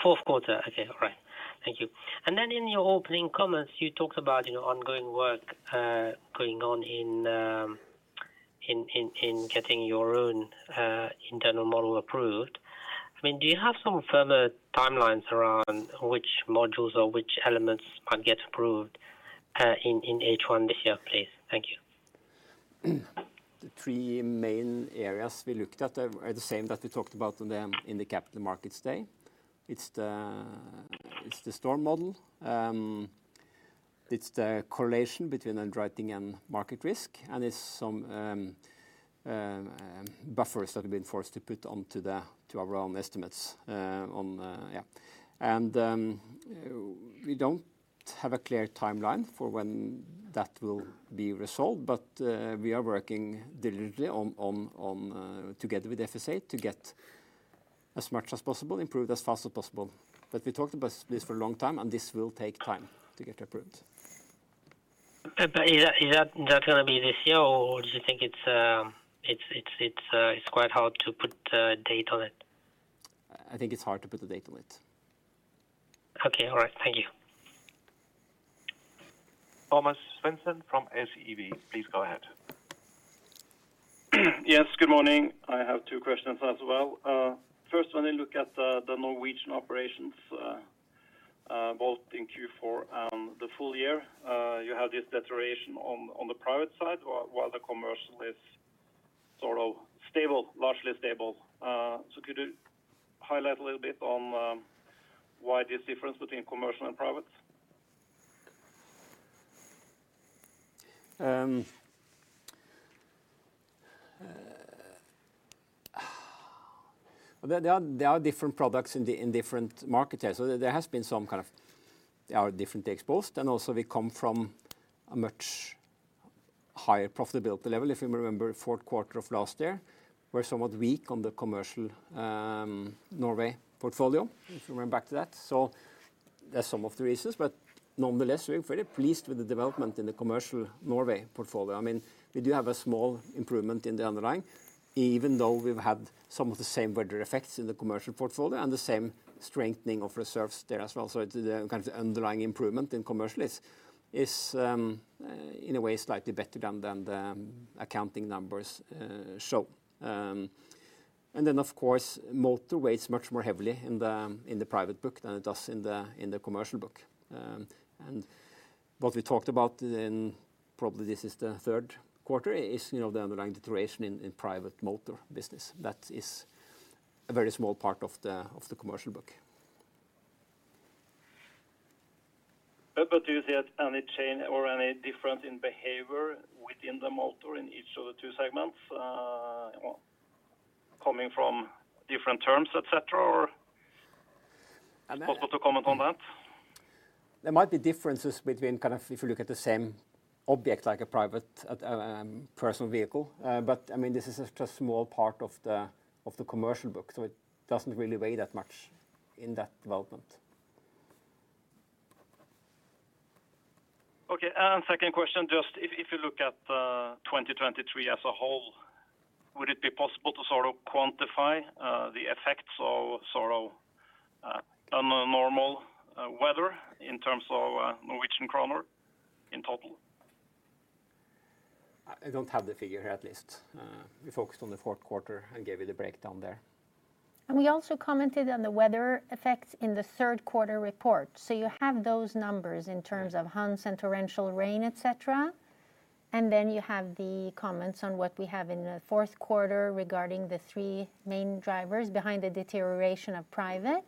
Fourth quarter. Okay. All right. Thank you. And then in your opening comments, you talked about ongoing work going on in getting your own internal model approved. I mean, do you have some firmer timelines around which modules or which elements might get approved in H1 this year, please? Thank you. The three main areas we looked at are the same that we talked about in the Capital Markets Day. It's the storm model, it's the correlation between underwriting and market risk, and it's some buffers that have been forced to put onto the to our own estimates. And we don't have a clear timeline for when that will be resolved, but we are working diligently on together with FSA to get as much as possible, improved as fast as possible. But we talked about this for a long time, and this will take time to get approved. But is that gonna be this year, or do you think it's quite hard to put a date on it? I think it's hard to put a date on it. Okay. All right. Thank you. Thomas Svendsen from SEB, please go ahead. Yes, good morning. I have two questions as well. First, when you look at the Norwegian operations, both in Q4 and the full year, you have this deterioration on the private side, while the commercial is stable, largely stable. So could you highlight a little bit on why this difference between commercial and private? Well, there are, there are different products in the, in different markets here. So there has been some, they are differently exposed, and also we come from a much higher profitability level. If you remember, fourth quarter of last year, were somewhat weak on the commercial, Norway portfolio, if you went back to that. So there are some of the reasons, but nonetheless, we're very pleased with the development in the commercial Norway portfolio. I mean, we do have a small improvement in the underlying, even though we've had some of the same weather effects in the commercial portfolio and the same strengthening of reserves there as well. So it's, kind of the underlying improvement in commercial is, in a way, slightly better than, the accounting numbers, show. And then, of course, motor weighs much more heavily in the private book than it does in the commercial book. And what we talked about in, probably this is the third quarter, is the underlying deterioration in private motor business. That is a very small part of the commercial book. Do you see any change or any difference in behavior within the motor in each of the two segments, coming from different terms, et cetera, or possible to comment on that? There might be differences between if you look at the same object, like a private, personal vehicle, but, I mean, this is just a small part of the commercial book, so it doesn't really weigh that much in that development. Okay, and second question, just if you look at 2023 as a whole, would it be possible to quantify the effects of on a normal weather in terms of Norwegian kroner in total? I don't have the figure here at least. We focused on the fourth quarter and gave you the breakdown there. We also commented on the weather effects in the third quarter report. You have those numbers in terms of Hans and torrential rain, et cetera. Then you have the comments on what we have in the fourth quarter regarding the three main drivers behind the deterioration of private.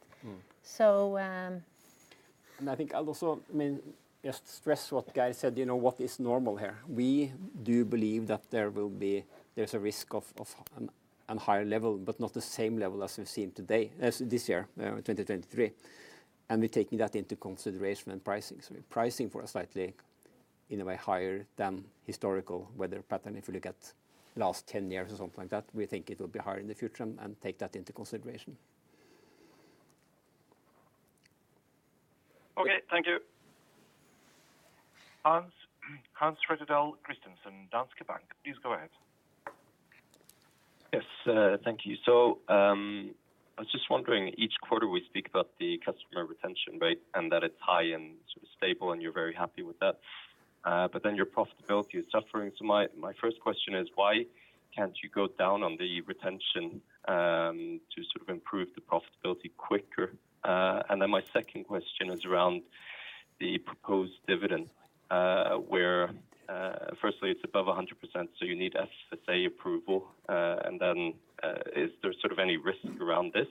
I think I'll also just stress what Geir said what is normal here. We do believe that there will be, there's a risk of on higher level, but not the same level as we've seen today, this year, 2023. And we're taking that into consideration when pricing. So we're pricing for a slightly, in a way, higher than historical weather pattern. If you look at last 10 years or something like that, we think it will be higher in the future and take that into consideration. Okay, thank you. Hans, Hans Rettedal Christiansen, Danske Bank, please go ahead. Yes, thank you. So, I was just wondering, each quarter we speak about the customer retention rate, and that it's high and sort of stable, and you're very happy with that, but then your profitability is suffering. So my first question is, why can't you go down on the retention, to improve the profitability quicker? And then my second question is around the proposed dividend, where, firstly, it's above 100%, so you need FSA approval, and then, is there any risk around this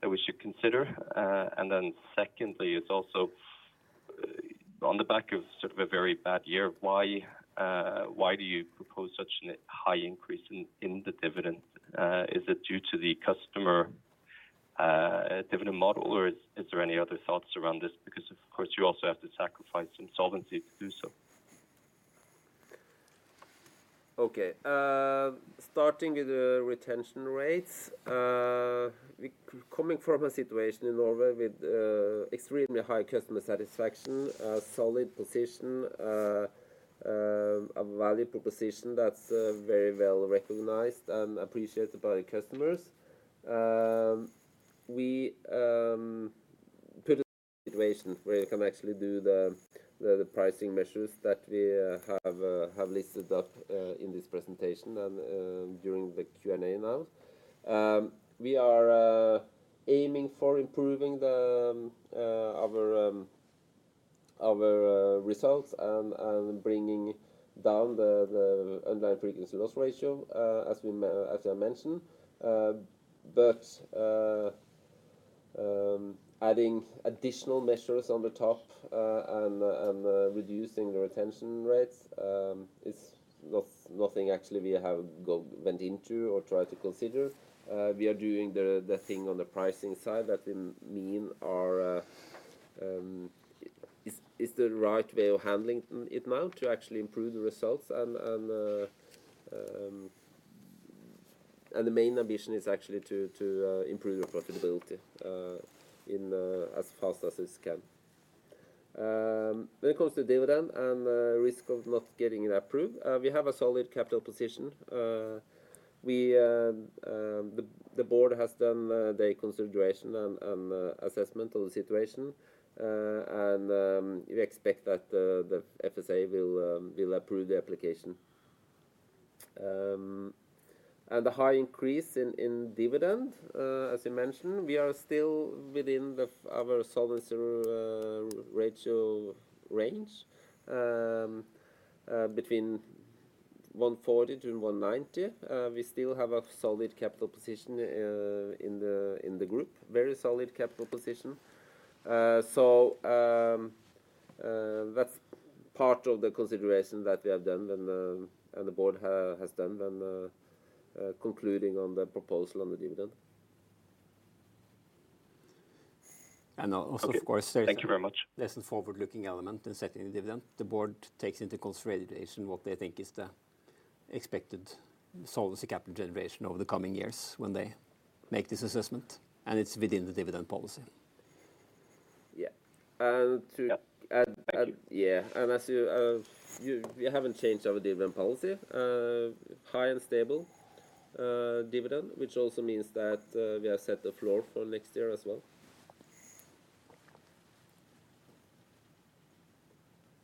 that we should consider? And then secondly, it's also, on the back o a very bad year, why do you propose such a high increase in the dividend? Is it due to the customer dividend model, or is there any other thoughts around this? Because, of course, you also have to sacrifice some solvency to do so. Okay, starting with the retention rates, coming from a situation in Norway with extremely high customer satisfaction, a solid position, a value proposition that's very well recognized and appreciated by the customers. We put a situation where you can actually do the pricing measures that we have listed up in this presentation and during the Q&A now. We are aiming for improving our results and bringing down the underlying frequency loss ratio, as I mentioned. But adding additional measures on the top and reducing the retention rates is nothing actually we have went into or tried to consider. We are doing the thing on the pricing side that we mean is the right way of handling it now to actually improve the results and the main ambition is actually to improve the profitability in as fast as it can. When it comes to dividend and risk of not getting it approved, we have a solid capital position. We, the board has done their consideration and assessment of the situation and we expect that the FSA will approve the application. And the high increase in dividend, as you mentioned, we are still within our solvency ratio range between 140%-190%. We still have a solid capital position in the group, very solid capital position. So, that's part of the consideration that we have done and the board has done when concluding on the proposal on the dividend. Thank you very much. There's a forward-looking element in setting the dividend. The board takes into consideration what they think is the expected solvency capital generation over the coming years when they make this assessment, and it's within the dividend policy. Thank you. We haven't changed our dividend policy, high and stable dividend, which also means that we have set the floor for next year as well.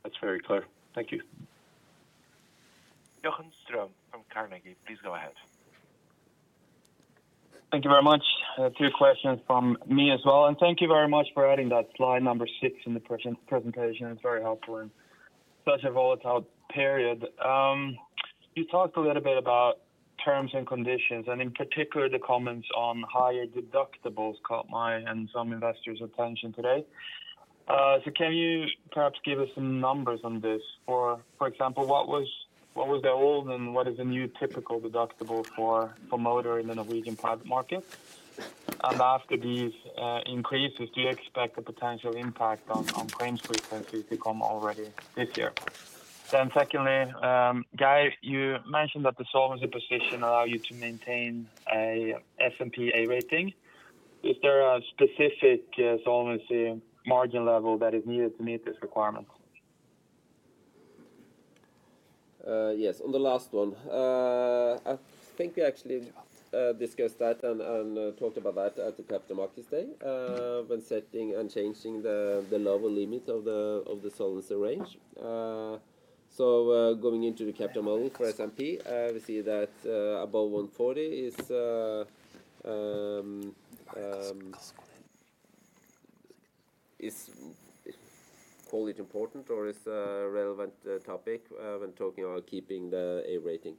That's very clear. Thank you. Johan Ström from Carnegie, please go ahead. Thank you very much. Two questions from me as well, and thank you very much for adding that slide number six in the presentation. It's very helpful in such a volatile period. You talked a little bit about terms and conditions, and in particular, the comments on higher deductibles caught my and some investors' attention today. So can you perhaps give us some numbers on this? For example, what was the old and what is the new typical deductible for motor in the Norwegian private market? And after these increases, do you expect a potential impact on claims frequencies to come already this year? Then secondly, Geir, you mentioned that the solvency position allow you to maintain a S&P A rating. Is there a specific solvency margin level that is needed to meet this requirement? Yes, on the last one, I think we actually discussed that and talked about that at the Capital Markets Day, when setting and changing the lower limits of the solvency range. So, going into the capital model for S&P, we see that above 140 is wholly important or is a relevant topic, when talking about keeping the A rating.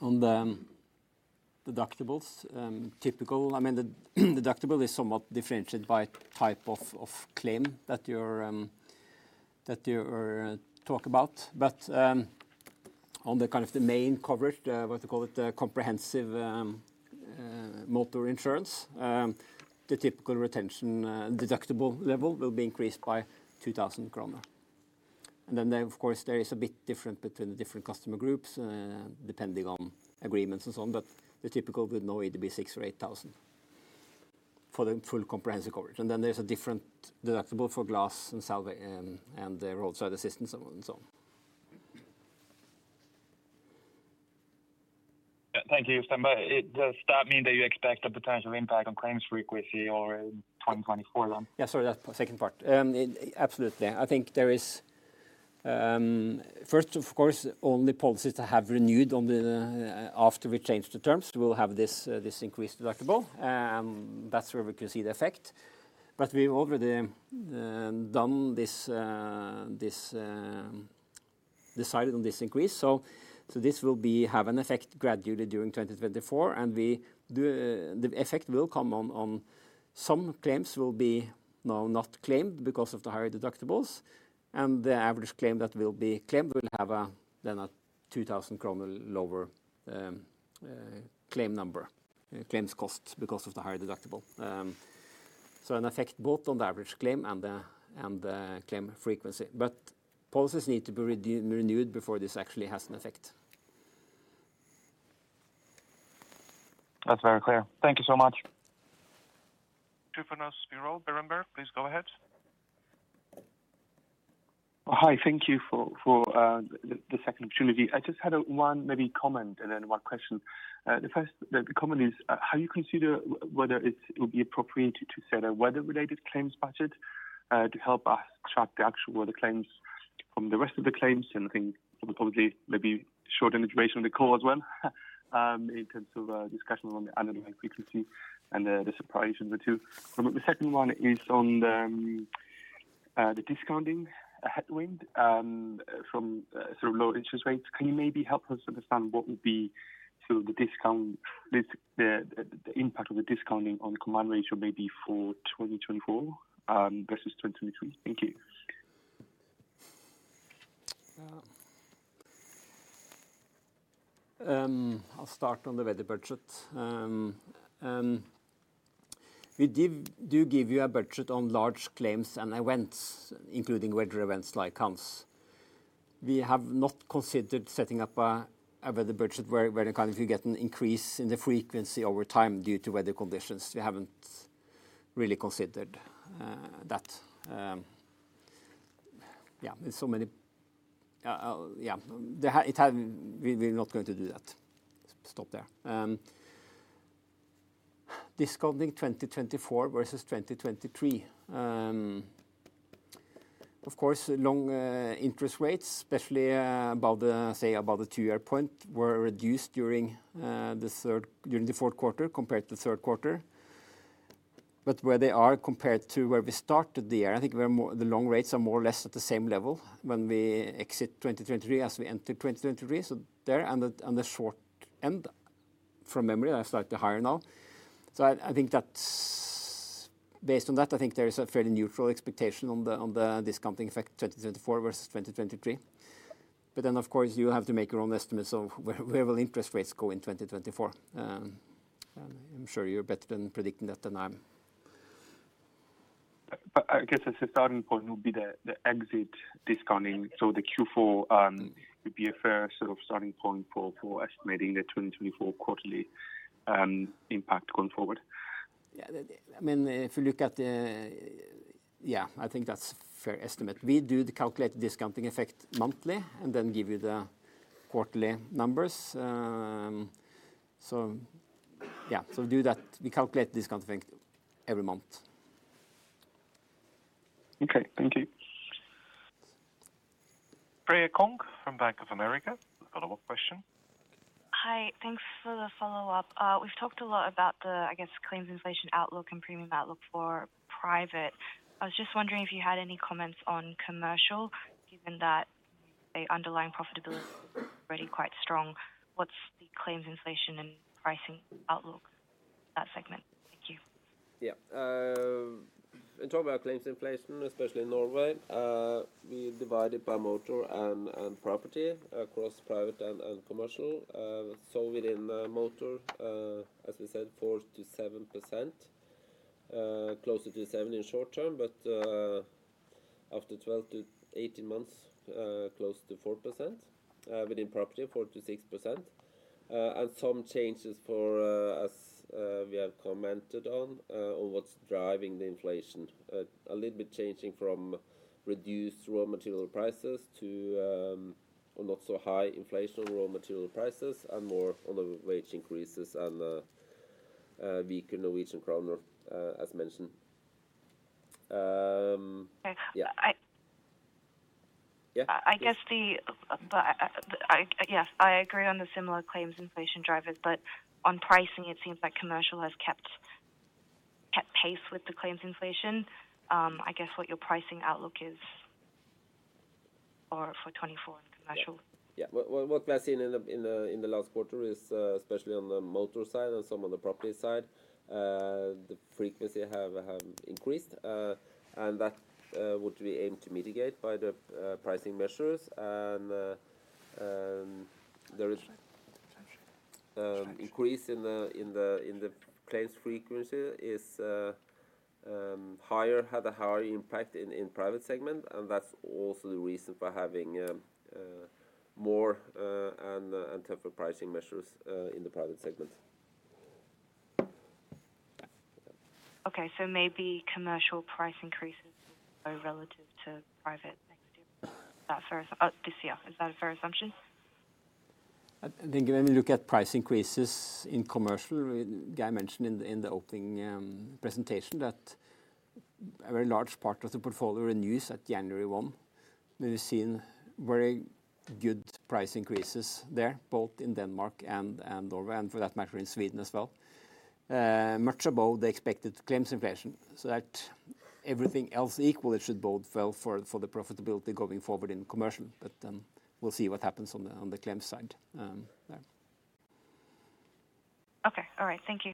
On the deductibles, typically the deductible is somewhat differentiated by type of claim that you're talking about. But, on the kind of the main coverage, what you call it, the comprehensive, motor insurance, the typical retention, deductible level will be increased by 2,000 kroner. And then there, of course, there is a bit different between the different customer groups, depending on agreements and so on, but the typical would now it be 6,000 or 8,000 for the full comprehensive coverage. And then there's a different deductible for glass and salvage, and the roadside assistance and so on. Thank you. But does that mean that you expect a potential impact on claims frequency or in 2024 then? Sorry, that's the second part. Absolutely. I think there is, first, of course, only policies that have renewed after we changed the terms will have this increased deductible, that's where we can see the effect. But we've already done this, decided on this increase, so this will have an effect gradually during 2024, and the effect will come on some claims will be now not claimed because of the higher deductibles, and the average claim that will be claimed will have then a 2,000 kroner lower claims cost, because of the higher deductible. So an effect both on the average claim and the claim frequency, but policies need to be renewed before this actually has an effect. That's very clear. Thank you so much. Tryfonas Spyrou, Berenberg, please go ahead. Hi, thank you for the second opportunity. I just had a one maybe comment and then one question. The first, the comment is, how do you consider whether it's, it would be appropriate to set a weather-related claims budget, to help us track the actual weather claims from the rest of the claims? And I think it will probably maybe shorten the duration of the call as well, in terms of, discussion on the underlying frequency and the surprise in the two. But the second one is on the, the discounting, headwind, from low interest rates. Can you maybe help us understand what would be the discount, the impact of the discounting on combined ratio, maybe for 2024, versus 2023? Thank you. I'll start on the weather budget. We give, do give you a budget on large claims and events, including weather events like Hans. We have not considered setting up a weather budget where in kind, if you get an increase in the frequency over time due to weather conditions, we haven't really considered that. There's so many. We're not going to do that. Stop there. Discounting 2024 versus 2023. Of course, long interest rates, especially about the two-year point, were reduced during the fourth quarter compared to the third quarter. But where they are compared to where we started the year, I think the long rates are more or less at the same level when we exit 2023, as we enter 2023. So there on the short end, from memory, are slightly higher now. So I think that's. Based on that, I think there is a fairly neutral expectation on the discounting effect, 2024 versus 2023. But then, of course, you have to make your own estimates of where interest rates will go in 2024. And I'm sure you're better than predicting that than I am. But I guess as a starting point would be the exit discounting. So the Q4 would be a fair sort of starting point for estimating the 2024 quarterly impact going forward. I think that's a fair estimate. We do the calculate discounting effect monthly, and then give you the quarterly numbers. So we do that, we calculate discount effect every month. Okay, thank you. Freya Kong from Bank of America, follow-up question. Hi, thanks for the follow-up. We've talked a lot about the, I guess, claims inflation outlook and premium outlook for private. I was just wondering if you had any comments on commercial, given that the underlying profitability is already quite strong. What's the claims inflation and pricing outlook for that segment? Thank In terms of our claims inflation, especially in Norway, we divided by motor and property across private and commercial. So within motor, as we said, 4%-7%, closer to 7% in short term, but after 12-18 months, close to 4%, within property, 4%-6%. And some changes for, as we have commented on, on what's driving the inflation. A little bit changing from reduced raw material prices to not so high inflation raw material prices and more on the wage increases and weaker Norwegian kroner, as mentioned. Yes, I agree on the similar claims inflation drivers, but on pricing, it seems like commercial has kept pace with the claims inflation. I guess what your pricing outlook is or for 2024 in commercial? Well, what we have seen in the last quarter is especially on the motor side and some on the property side the frequency have increased and that would be aimed to mitigate by the pricing measures and there is an increase in the claims frequency, is higher, had a higher impact in the private segment, and that's also the reason for having more and tougher pricing measures in the private segment. Okay. So maybe commercial price increases are relative to private next year. Is that fair, this year, is that a fair assumption? I think when we look at price increases in commercial, Guy mentioned in the opening presentation that a very large part of the portfolio renews at January 1. We've seen very good price increases there, both in Denmark and Norway, and for that matter, in Sweden as well, much above the expected claims inflation. So that everything else equal, it should bode well for the profitability going forward in commercial, but then we'll see what happens on the claims side. Okay, all right. Thank you.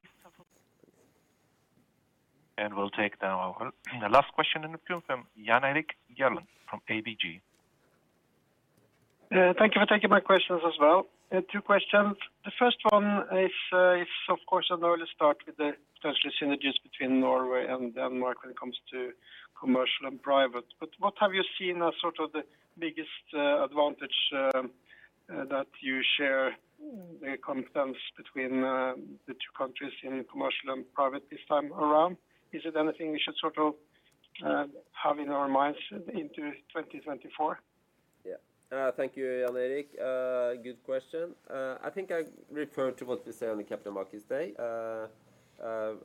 We'll take now the last question in the queue from Jan Erik Gjerland from ABG. Thank you for taking my questions as well. Two questions. The first one is, of course, an early start with the potential synergies between Norway and Denmark when it comes to commercial and private. But what have you seen as sort of the biggest advantage that you share the competence between the two countries in commercial and private this time around? Is it anything we should sort of have in our minds into 2024? Thank you, Jan Erik. Good question. I think I referred to what we said on the Capital Markets Day,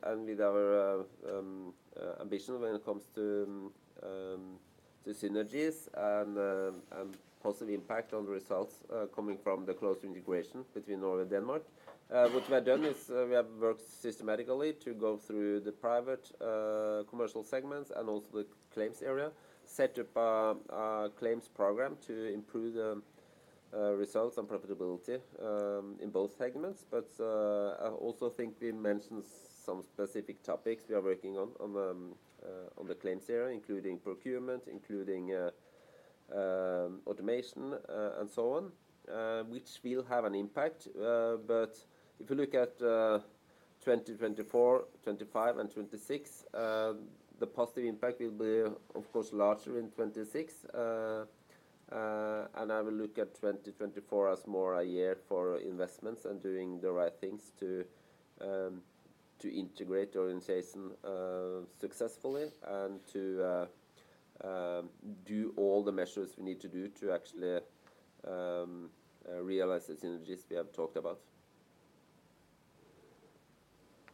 and with our ambition when it comes to synergies and positive impact on the results, coming from the closer integration between Norway and Denmark. What we have done is, we have worked systematically to go through the private commercial segments and also the claims area, set up a claims program to improve the results and profitability in both segments. But I also think we mentioned some specific topics we are working on, on the claims area, including procurement, including automation, and so on, which will have an impact. But if you look at 2024, 2025, and 2026, the positive impact will be, of course, larger in 2026. And I will look at 2024 as more a year for investments and doing the right things to integrate orientation successfully, and to do all the measures we need to do to actually realize the synergies we have talked about.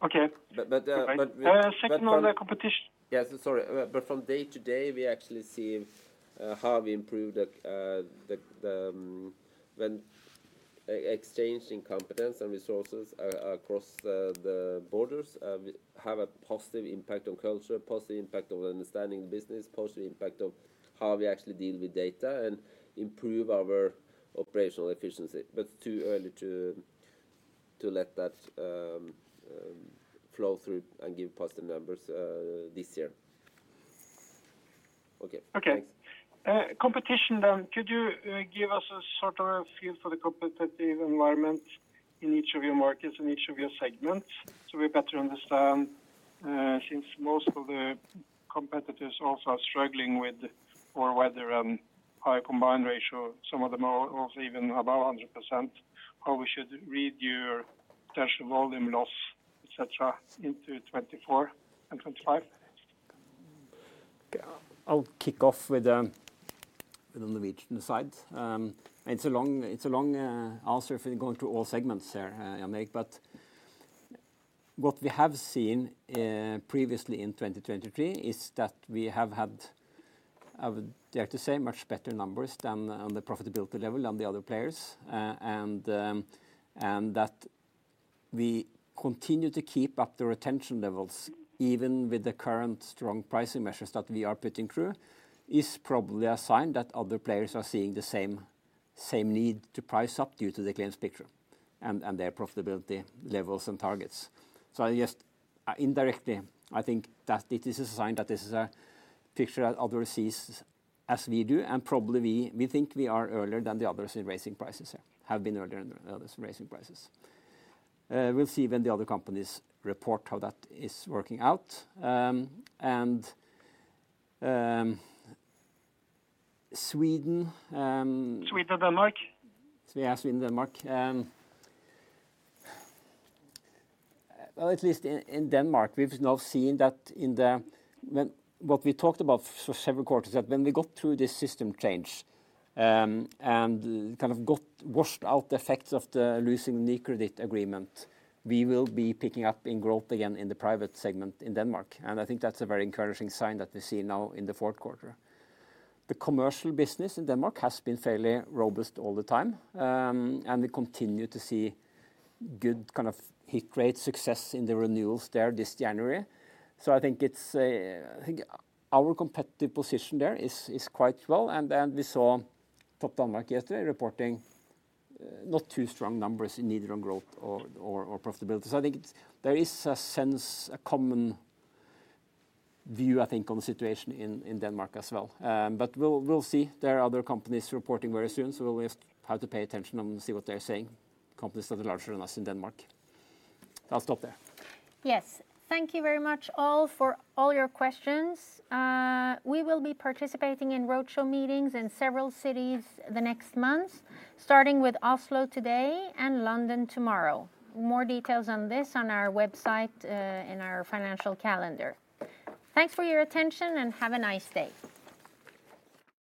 Okay. Second on the competition. Yes, sorry. But from day to day, we actually see how we improve when exchange in competence and resources across the borders, we have a positive impact on culture, a positive impact of understanding the business, positive impact of how we actually deal with data, and improve our operational efficiency. But too early to let that flow through and give positive numbers this year. Okay, thanks. Okay. Competition then, could you give us a sort of a feel for the competitive environment in each of your markets, in each of your segments, so we better understand, since most of the competitors also are struggling with or whether high combined ratio, some of them are also even above 100%, how we should read your potential volume loss, et cetera, into 2024 and 2025? I'll kick off with the Norwegian side. It's a long answer if you're going through all segments there, Jan Erik. But what we have seen previously in 2023 is that we have had, I would dare to say, much better numbers than on the profitability level than the other players. And that we continue to keep up the retention levels, even with the current strong pricing measures that we are putting through, is probably a sign that other players are seeing the same, same need to price up due to the claims picture and their profitability levels and targets. So I just indirectly think that it is a sign that this is a picture that others sees as we do, and probably we think we are earlier than the others in raising prices, have been earlier than the others in raising prices. We'll see when the other companies report how that is working out. And Sweden. Sweden or Denmark? Sweden, Denmark. Well, at least in Denmark, we've now seen that. When what we talked about for several quarters, that when we got through this system change, and kind of got washed out the effects of losing the credit agreement, we will be picking up in growth again in the private segment in Denmark. And I think that's a very encouraging sign that we see now in the fourth quarter. The commercial business in Denmark has been fairly robust all the time. And we continue to see good kind of hit rate success in the renewals there this January. I think our competitive position there is quite well. And we saw Topdanmark yesterday reporting not too strong numbers in neither on growth or profitability. I think it's, there is a sense, a common view, I think, on the situation in Denmark as well. But we'll see. There are other companies reporting very soon, so we'll just have to pay attention and see what they're saying, companies that are larger than us in Denmark. I'll stop there. Yes. Thank you very much all for all your questions. We will be participating in roadshow meetings in several cities the next month, starting with Oslo today and London tomorrow. More details on this on our website, in our financial calendar. Thanks for your attention, and have a nice day.